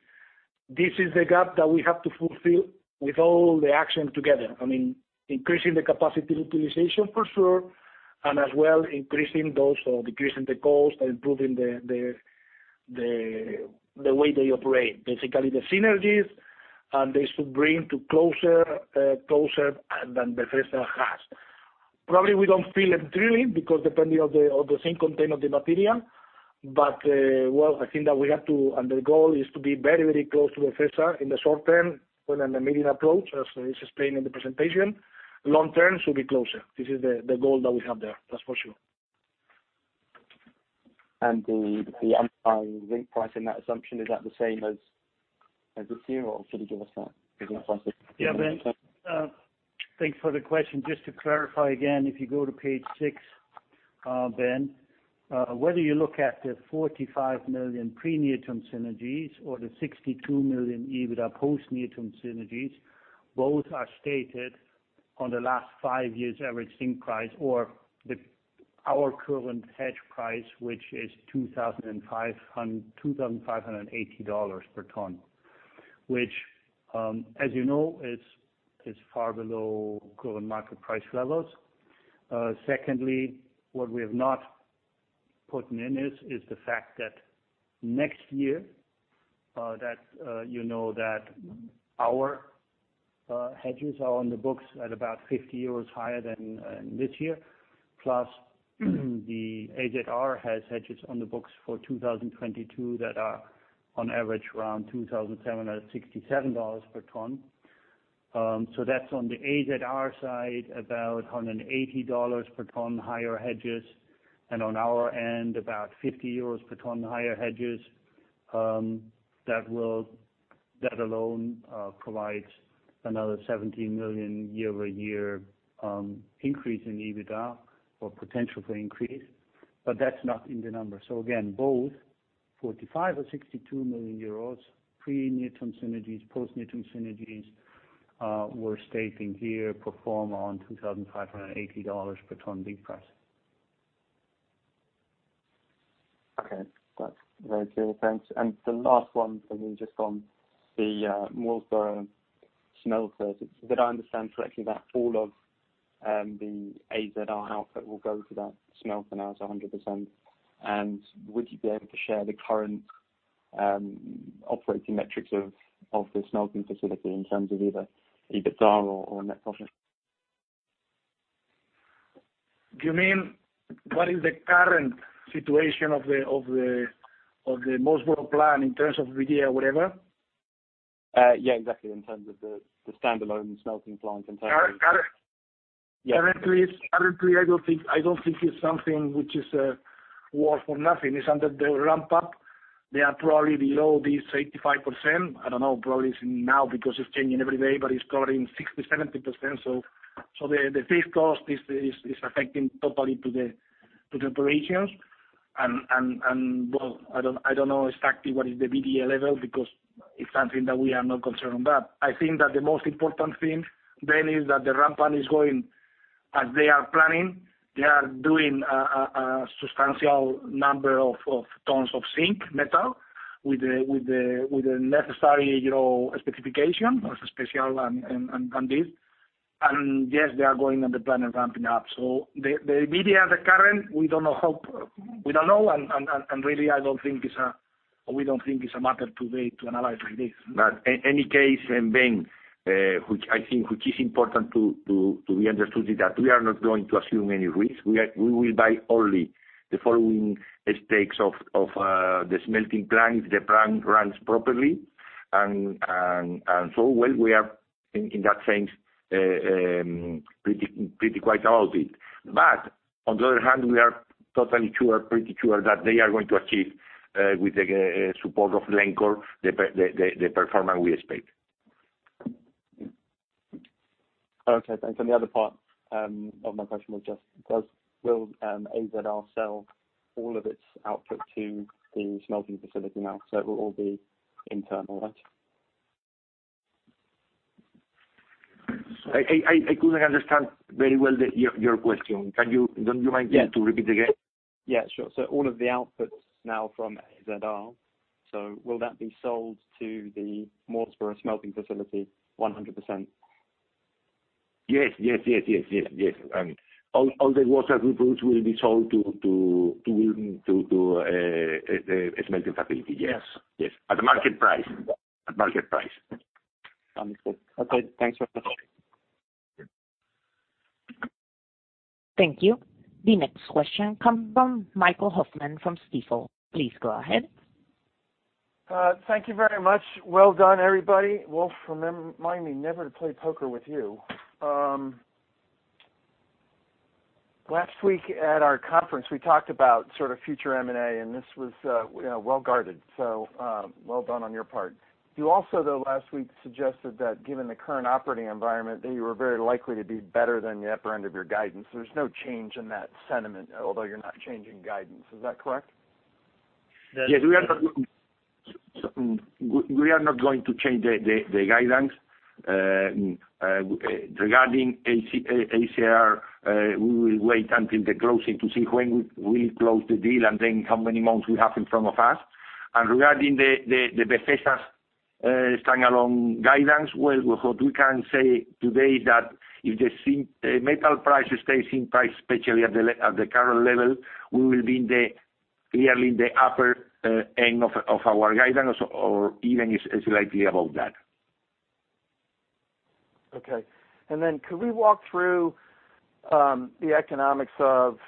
This is the gap that we have to fulfill with all the action together. Increasing the capacity utilization for sure, and as well increasing those or decreasing the cost and improving the way they operate. Basically, the synergies, and this will bring to closer than Befesa has. Probably we don't feel it really because depending on the zinc content of the material. Well, I think that we have to, and the goal is to be very, very close to Befesa in the short term and the medium approach, as it is explained in the presentation. Long term, to be closer. This is the goal that we have there, that's for sure. The end price and that assumption, is that the same as this year, or can you give us that specific answer? Yeah, Ben. Thanks for the question. Just to clarify again, if you go to page six, Ben. Whether you look at the 45 million pre-Neotron synergies or the 62 million EBITDA post-Neotron synergies, both are stated on the last five years average zinc price or our current hedge price, which is $2,580 per ton. As you know, it's far below current market price levels. Secondly, what we have not put in is the fact that next year, that our hedges are on the books at about 50 euros higher than mid-year, plus the AZR has hedges on the books for 2022 that are on average around $2,767 per ton. That's on the AZR side, about on an $80 per ton higher hedges, and on our end, about 50 euros per ton higher hedges. That alone provides another 70 million year-over-year increase in EBITDA or potential for increase, but that's not in the number. Again, both 45 or 62 million euros, pre-near-term synergies, post-near-term synergies. We're stating here pro forma on $2,580 per ton lead price. Okay. That's very clear. Thanks. The last one for me, just on the Mooresboro smelter, did I understand correctly that all of the AZR output will go to that smelter now, it's 100%? Would you be able to share the current operating metrics of the smelting facility in terms of either EBITDA or net profit? You mean what is the current situation of the Mooresboro plant in terms of EBITDA or whatever? Yeah, exactly, in terms of the standalone smelting plant in terms of. Currently, I don't think it's something which is worth for nothing. It's under the ramp-up. They are probably below the 85%. I don't know, probably now because it's changing every day, but it's going 60%-70%. The fixed cost is affecting totally to the operations. Well, I don't know exactly what is the EBITDA level because it's something that we are not concerned. I think that the most important thing then is that the ramp-up is going as they are planning. They are doing a substantial number of tons of zinc metal with the necessary specification, most special and indeed. Yes, they are going on the plan and ramping up. The EBITDA at the current, we don't know, and really, we don't think it's a matter today to analyze like this. Any case, and then, which I think is important to be understood is that we are not going to assume any risk. We will buy only the following stakes of the smelting plant. The plant runs properly. Well, we are, in that sense, pretty quiet about it. On the other hand, we are totally sure, pretty sure that they are going to achieve, with the support of Glencore, the performance we expect. Okay, thanks. The other part of my question was just will AZR sell all of its output to the smelting facility now, so it will all be internal then? I couldn't understand very well your question. Don't you mind to repeat again? Yeah, sure. All of the outputs now from AZR, so will that be sold to the Mooresboro smelting facility 100%? Yes. All the Wox we produce will be sold to a smelting facility, yes. At market price. Sounds good. Okay, thanks for the call. Thank you. The next question comes from Michael Hoffman from Stifel. Please go ahead. Thank you very much. Well done, everybody. Wolf, remind me never to play poker with you. Last week at our conference, we talked about future M&A, and this was well guarded, so well done on your part. You also, though, last week, suggested that given the current operating environment, that you were very likely to do better than the upper end of your guidance. There's no change in that sentiment, although you're not changing guidance. Is that correct? Yeah. We are not going to change the guidance. Regarding AZR, we will wait until the closing to see when we close the deal and then how many months we have in front of us. Regarding the Befesa standalone guidance, well, what we can say today that if the metal price stays in place, especially at the current level, we will be clearly in the upper end of our guidance or even slightly above that. Okay. Could we walk through the economics of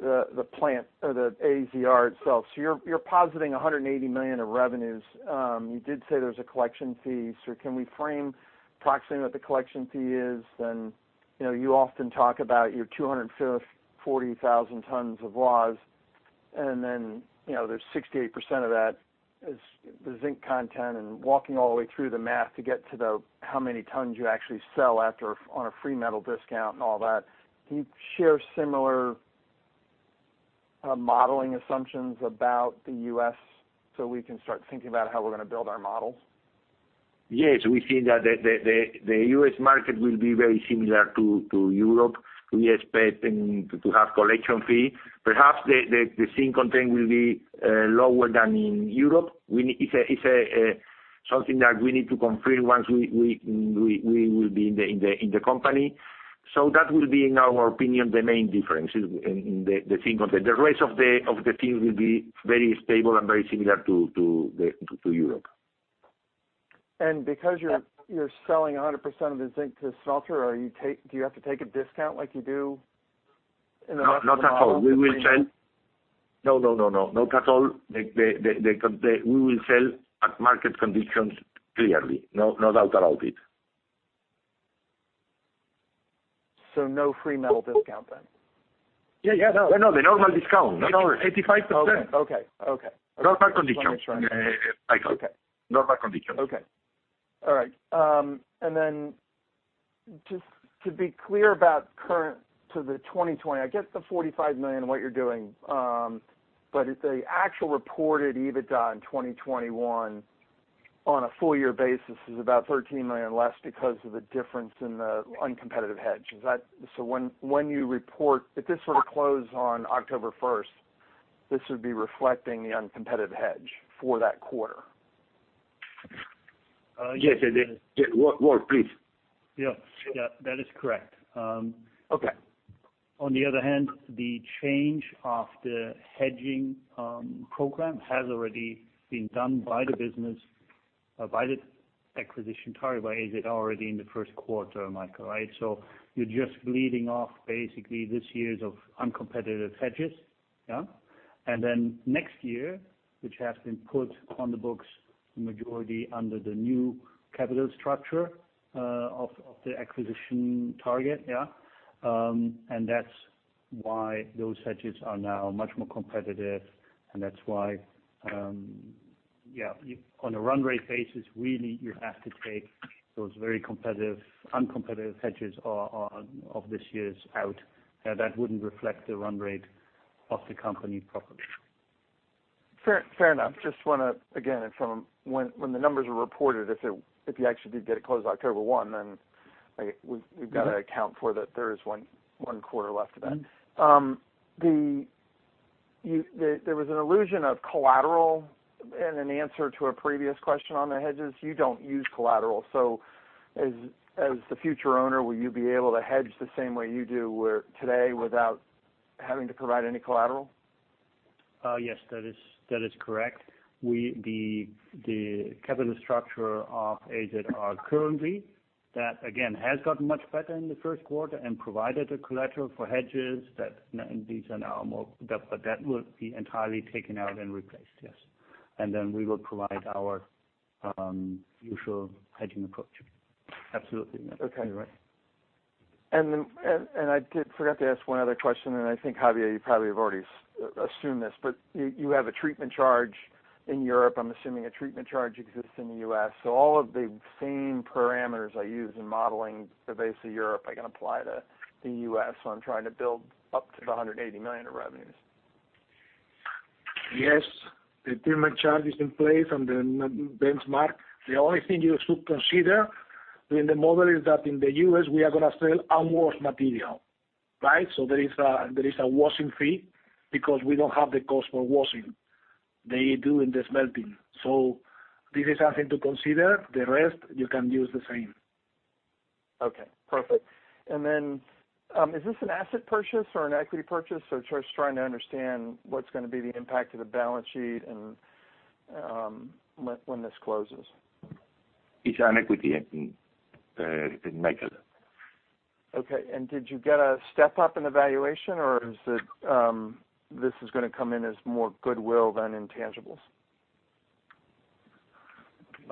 the plant, the AZR itself? You're positing $180 million of revenues. You did say there's a collection fee, so can we frame approximately what the collection fee is? You often talk about your 240,000 tons of waste, and then there's 68% of that is the zinc content, and walking all the way through the math to get to the how many tons you actually sell on a free metal discount and all that. Can you share similar modeling assumptions about the U.S. so we can start thinking about how we're going to build our model? Yes, we think that the U.S. market will be very similar to Europe. We expect to have collection fee. Perhaps the zinc content will be lower than in Europe. It's something that we need to confirm once we will be in the company. That will be, in our opinion, the main difference in the zinc content. The rest of the things will be very stable and very similar to Europe. Because you're selling 100% of the zinc to smelter, do you have to take a discount like you do? Not at all. We will sell. No. Not at all. We will sell at market conditions, clearly. No doubt about it. No free metal discount then? Yeah. No. The normal discount, 85%. Okay. Normal conditions, Michael. Okay. All right. Just to be clear about current to the 2020, I get the 45 million, what you're doing. The actual reported EBITDA in 2021 on a full year basis is about 13 million less because of the difference in the uncompetitive hedge. When you report, if this were to close on October 1st, this would be reflecting the uncompetitive hedge for that quarter? Yes, it is. Michael, please. Yes. That is correct. Okay. On the other hand, the change of the hedging program has already been done by the business, by the acquisition target, by AZ already in the first quarter, Michael, right? You're just leading off basically this year's uncompetitive hedges. Yeah. Next year, which has been put on the books majority under the new capital structure of the acquisition target, yeah. That's why those hedges are now much more competitive, and that's why on a run rate basis, really, you have to take those very uncompetitive hedges of this year's out. That wouldn't reflect the run rate of the company properly. Fair enough. Just want to, again, when the numbers are reported, if you actually did close October 1, then we've got to account for that there is one quarter left. There was an allusion to collateral in an answer to a previous question on the hedges. You don't use collateral. As the future owner, will you be able to hedge the same way you do where today, without having to provide any collateral? Yes, that is correct. The capital structure of AZR currently, that again, has gotten much better in the first quarter and provided the collateral for hedges that these are now more, but that would be entirely taken out and replaced. Yes. We will provide our usual hedging approach. Absolutely. Okay. I forgot to ask one other question, and I think Javier probably already assumed this, but you have a treatment charge in Europe. I'm assuming a treatment charge exists in the U.S. All of the same parameters I use in modeling Befesa of Europe, I can apply to the U.S. when I'm trying to build up to the $180 million of revenues. Yes, the treatment charge is in place and the benchmark. The only thing you should consider in the model is that in the U.S., we are going to sell unwashed material. There is a washing fee because we don't have the cost of washing. They do in the smelting. This is something to consider. The rest, you can use the same. Okay, perfect. Is this an asset purchase or an equity purchase? Just trying to understand what's going to be the impact of the balance sheet and when this closes. It's an equity method. Okay. Did you get a step-up in valuation, or is it this is going to come in as more goodwill than intangibles?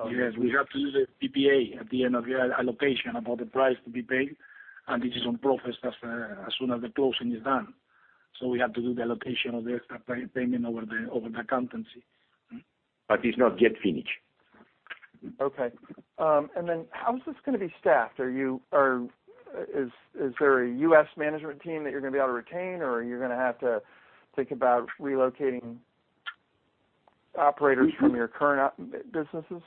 Yes, we have to do the PPA at the end of the allocation of all the price to be paid, and this is on profits as soon as the closing is done. We have to do the allocation of the payment over the accountancy, but it's not yet finished. Okay. How is this going to be staffed? Is there a U.S. management team that you're going to be able to retain, or are you going to have to think about relocating operators from your current businesses?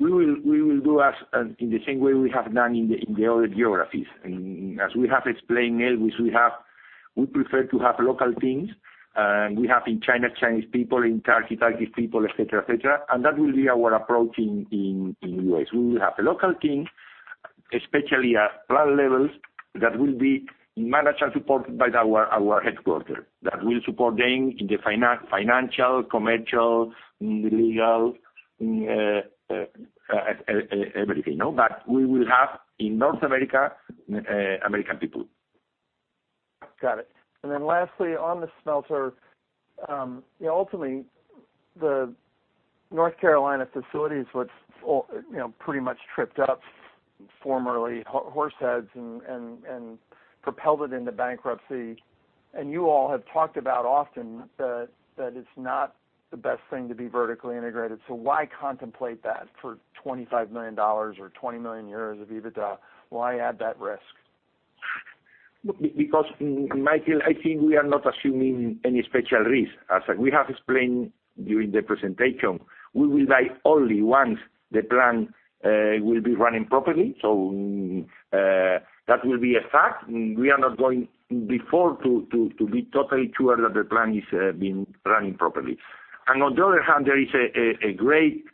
We will do as in the same way we have done in the other geographies. As we have explained, always, we prefer to have local teams. We have in China, Chinese people, in Turkey, Turkish people, et cetera. That will be our approach in U.S. We will have local teams, especially at plant levels, that will be managed and supported by our headquarters, that will support them in the financial, commercial, legal, everything. We will have in North America, American people. Got it. Then lastly, on the smelter, ultimately the North Carolina facilities, which pretty much tripped up formerly Horseheads and propelled it into bankruptcy. You all have talked about often that it's not the best thing to be vertically integrated. Why contemplate that for $25 million or 20 million euros of EBITDA? Why add that risk? Michael, I think we are not assuming any special risk. As we have explained during the presentation, we will buy only once the plant will be running properly. That will be a fact. We are not going before to be totally sure that the plant is being running properly. On the other hand, there is a great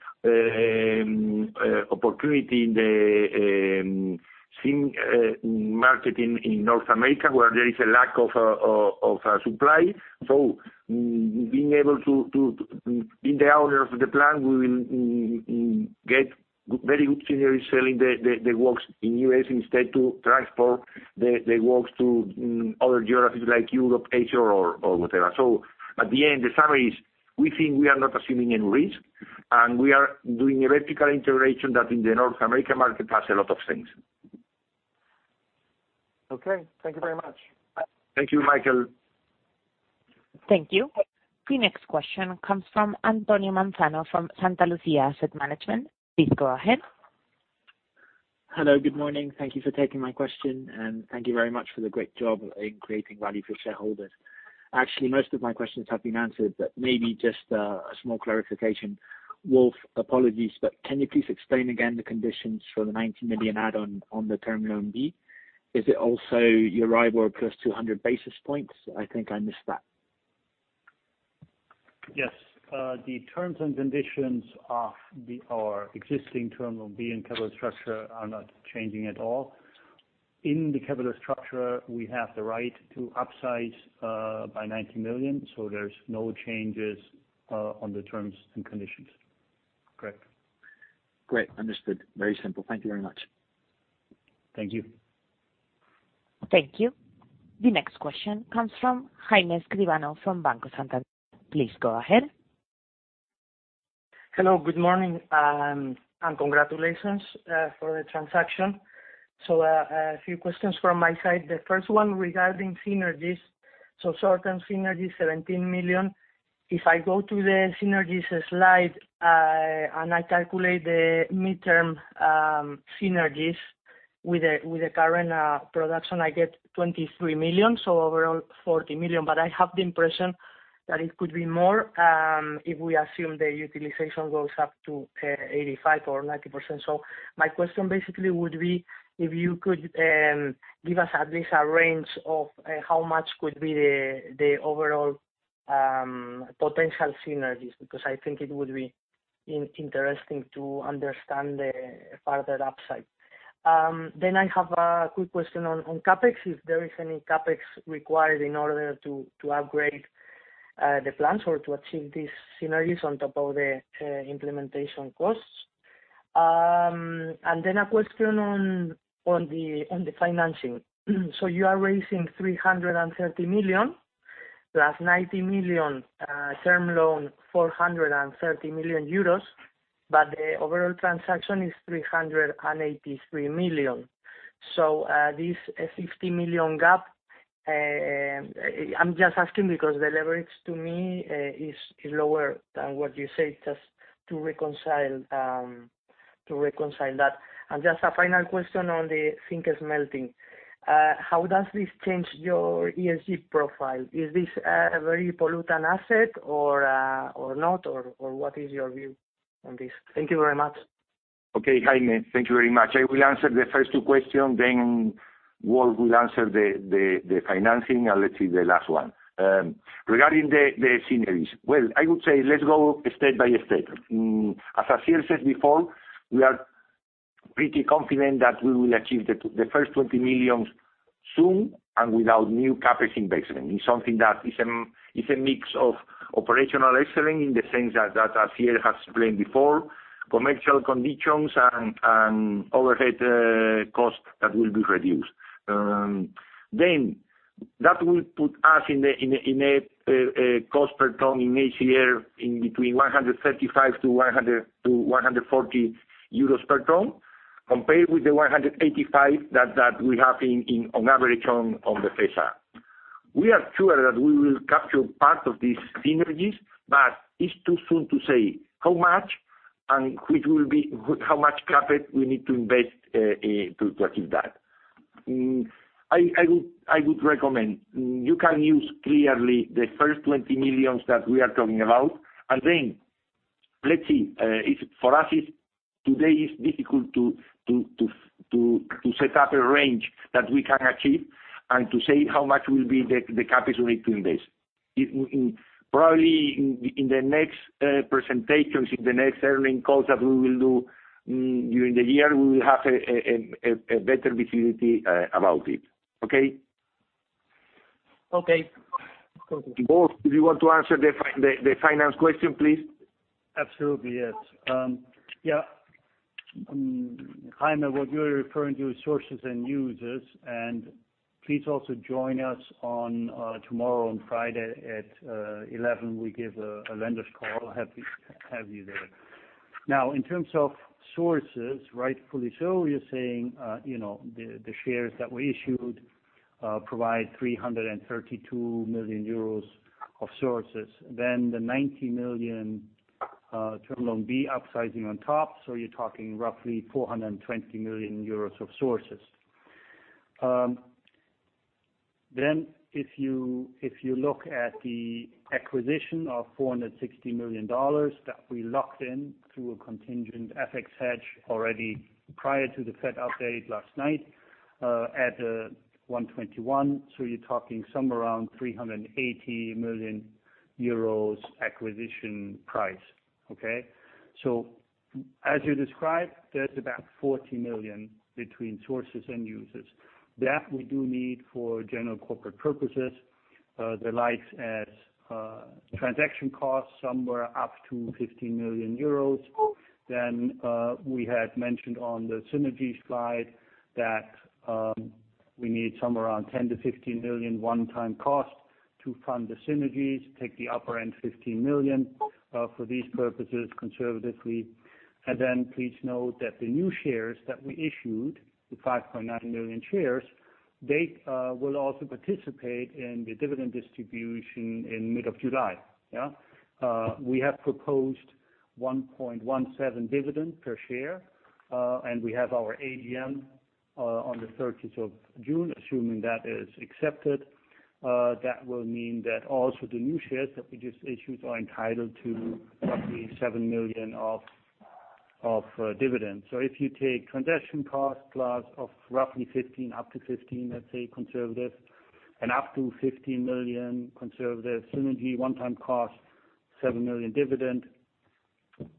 opportunity in the same market in North America, where there is a lack of supply. Being able to be the owner of the plant, we will get very good synergy selling the WOx in the U.S. instead to transport the WOx to other geographies like Europe, Asia, or whatever. At the end, the summary is, we think we are not assuming any risk, and we are doing a vertical integration that in the North American market has a lot of sense. Okay. Thank you very much. Thank you, Michael. Thank you. The next question comes from Antonio Montano from Alantra Asset Management. Please go ahead. Hello. Good morning. Thank you for taking my question, and thank you very much for the great job in creating value for shareholders. Actually, most of my questions have been answered, but maybe just a small clarification. Wolf, apologies, but can you please explain again the conditions for the 90 million add on the term loan B? Is it also your IBOR plus 200 basis points? I think I missed that. Yes. The terms and conditions of our existing term loan B and covenant structure are not changing at all. In the covenant structure, we have the right to upsize by 90 million, there's no changes on the terms and conditions. Great. Understood. Very simple. Thank you very much. Thank you. Thank you. The next question comes from Jaime Escribano from Banco Santander. Please go ahead. Hello. Good morning. Congratulations for the transaction. A few questions from my side. The first one regarding synergies. Short-term synergies, 17 million. If I go to the synergies slide, and I calculate the midterm synergies with the current production, I get 23 million, so around 40 million, but I have the impression that it could be more, if we assume the utilization goes up to 85% or 90%. My question basically would be if you could give us at least a range of how much could be the overall potential synergies, because I think it would be interesting to understand the further upside. I have a quick question on CapEx, if there is any CapEx required in order to upgrade the plants or to achieve these synergies on top of the implementation costs. A question on the financing. You are raising 330 million, plus 90 million term loan, 430 million euros. The overall transaction is 383 million. This 50 million gap, I'm just asking because the leverage to me is lower than what you say, just to reconcile that. Just a final question on the zinc smelting. How does this change your ESG profile? Is this a very pollutant asset or not? What is your view on this? Thank you very much. Okay, Jaime. Thank you very much. I will answer the first two questions, Wolf will answer the financing, and let's see the last one. Regarding the synergies. Well, I would say let's go step by step. As Javier said before, we are pretty confident that we will achieve the first 20 million soon and without new CapEx investment. It's something that is a mix of operational excellence in the sense that, as Javier has explained before, commercial conditions and overhead cost that will be reduced. That will put us in a cost per ton initially in between 135-140 euros per ton, compared with the 185 that we have on average on Befesa. We are sure that we will capture part of these synergies, but it's too soon to say how much, and how much CapEx we need to invest to achieve that. I would recommend you can use clearly the first 20 million that we are talking about, and then let's see. For us, today it's difficult to set up a range that we can achieve and to say how much will be the CapEx we make in this. Probably in the next presentations, in the next earning calls that we will do during the year, we will have a better visibility about it. Okay? Okay. Wolf, do you want to answer the finance question, please? Absolutely, yes. Jaime, what you're referring to is sources and uses, and please also join us tomorrow on Friday at 11. We'll give a lender's call. I'll have you there. In terms of sources, rightfully so, you're saying the shares that were issued provide 332 million euros of sources. The 90 million term loan B upsizing on top. You're talking roughly 420 million euros of sources. If you look at the acquisition of $460 million that we locked in through a contingent FX hedge already prior to the Fed update last night at 121, you're talking somewhere around 380 million euros acquisition price. Okay. As you described, there's about 40 million between sources and uses. That we do need for general corporate purposes, the likes as transaction costs, somewhere up to 15 million euros. We had mentioned on the synergies slide that we need somewhere around 10 million-15 million one-time cost to fund the synergies. Take the upper end, 15 million, for these purposes conservatively. Please note that the new shares that we issued, the 5.9 million shares, they will also participate in the dividend distribution in mid-July. We have proposed 1.17 dividend per share, and we have our AGM on June 30. Assuming that is accepted, that will mean that also the new shares that we just issued are entitled to roughly 7 million of dividends. If you take transaction cost of roughly 15 million, let's say conservatively, and up to 15 million conservative synergy one-time cost, 7 million dividend,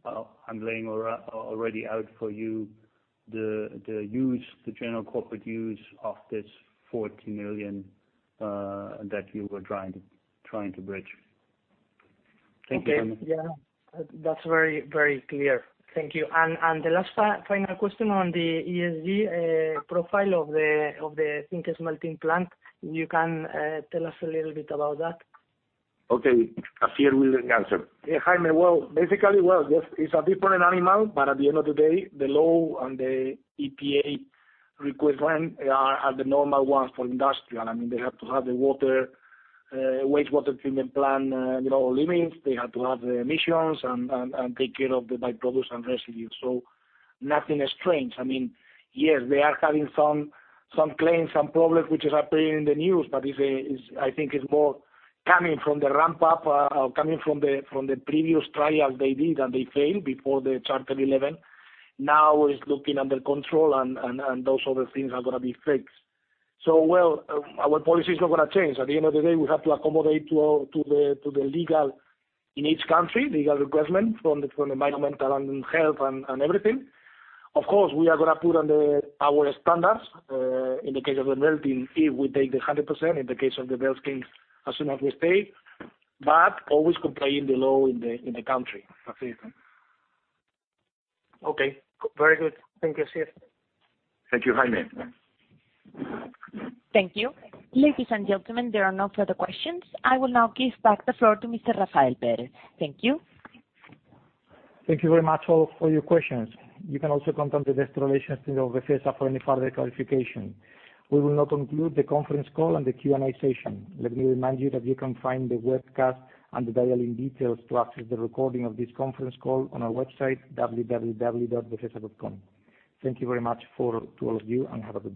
I'm laying already out for you the general corporate use of this 40 million that we were trying to bridge. Thank you. Okay. Yeah, that's very clear. Thank you. The last final question on the ESG profile of the zinc smelting plant. You can tell us a little bit about that. Okay. Asier will answer. Jaime. Basically, it's a different animal. At the end of the day, the law and the EPA requirement are the normal ones for industrial. They have to have the wastewater treatment plan limits. They have to have the emissions and take care of the byproducts and residues. Nothing strange. They are having some claims, some problems, which are appearing in the news. I think it's more coming from the ramp-up, coming from the previous trial they did, and they failed before the Chapter 11. Now is looking under control, and those other things are going to be fixed. Our policy is not going to change. At the end of the day, we have to accommodate to the legal in each country, legal requirements from the environmental and health and everything. We are going to put on our standards. In the case of the smelting, if we take the 100%, in the case of the smelting, as soon as we stay, but always complying the law in the country. Okay. Very good. Thank you, Javier. Thank you, Jaime. Thank you. Ladies and gentlemen, there are no further questions. I will now give back the floor to Mr. Rafael Pérez. Thank you. Thank you very much for your questions. You can also contact the investor relations team of Befesa for any further clarification. We will now conclude the conference call and the Q&A session. Let me remind you that you can find the webcast and the dialing details to access the recording of this conference call on our website, www.befesa.com. Thank you very much to all of you, and have a good day.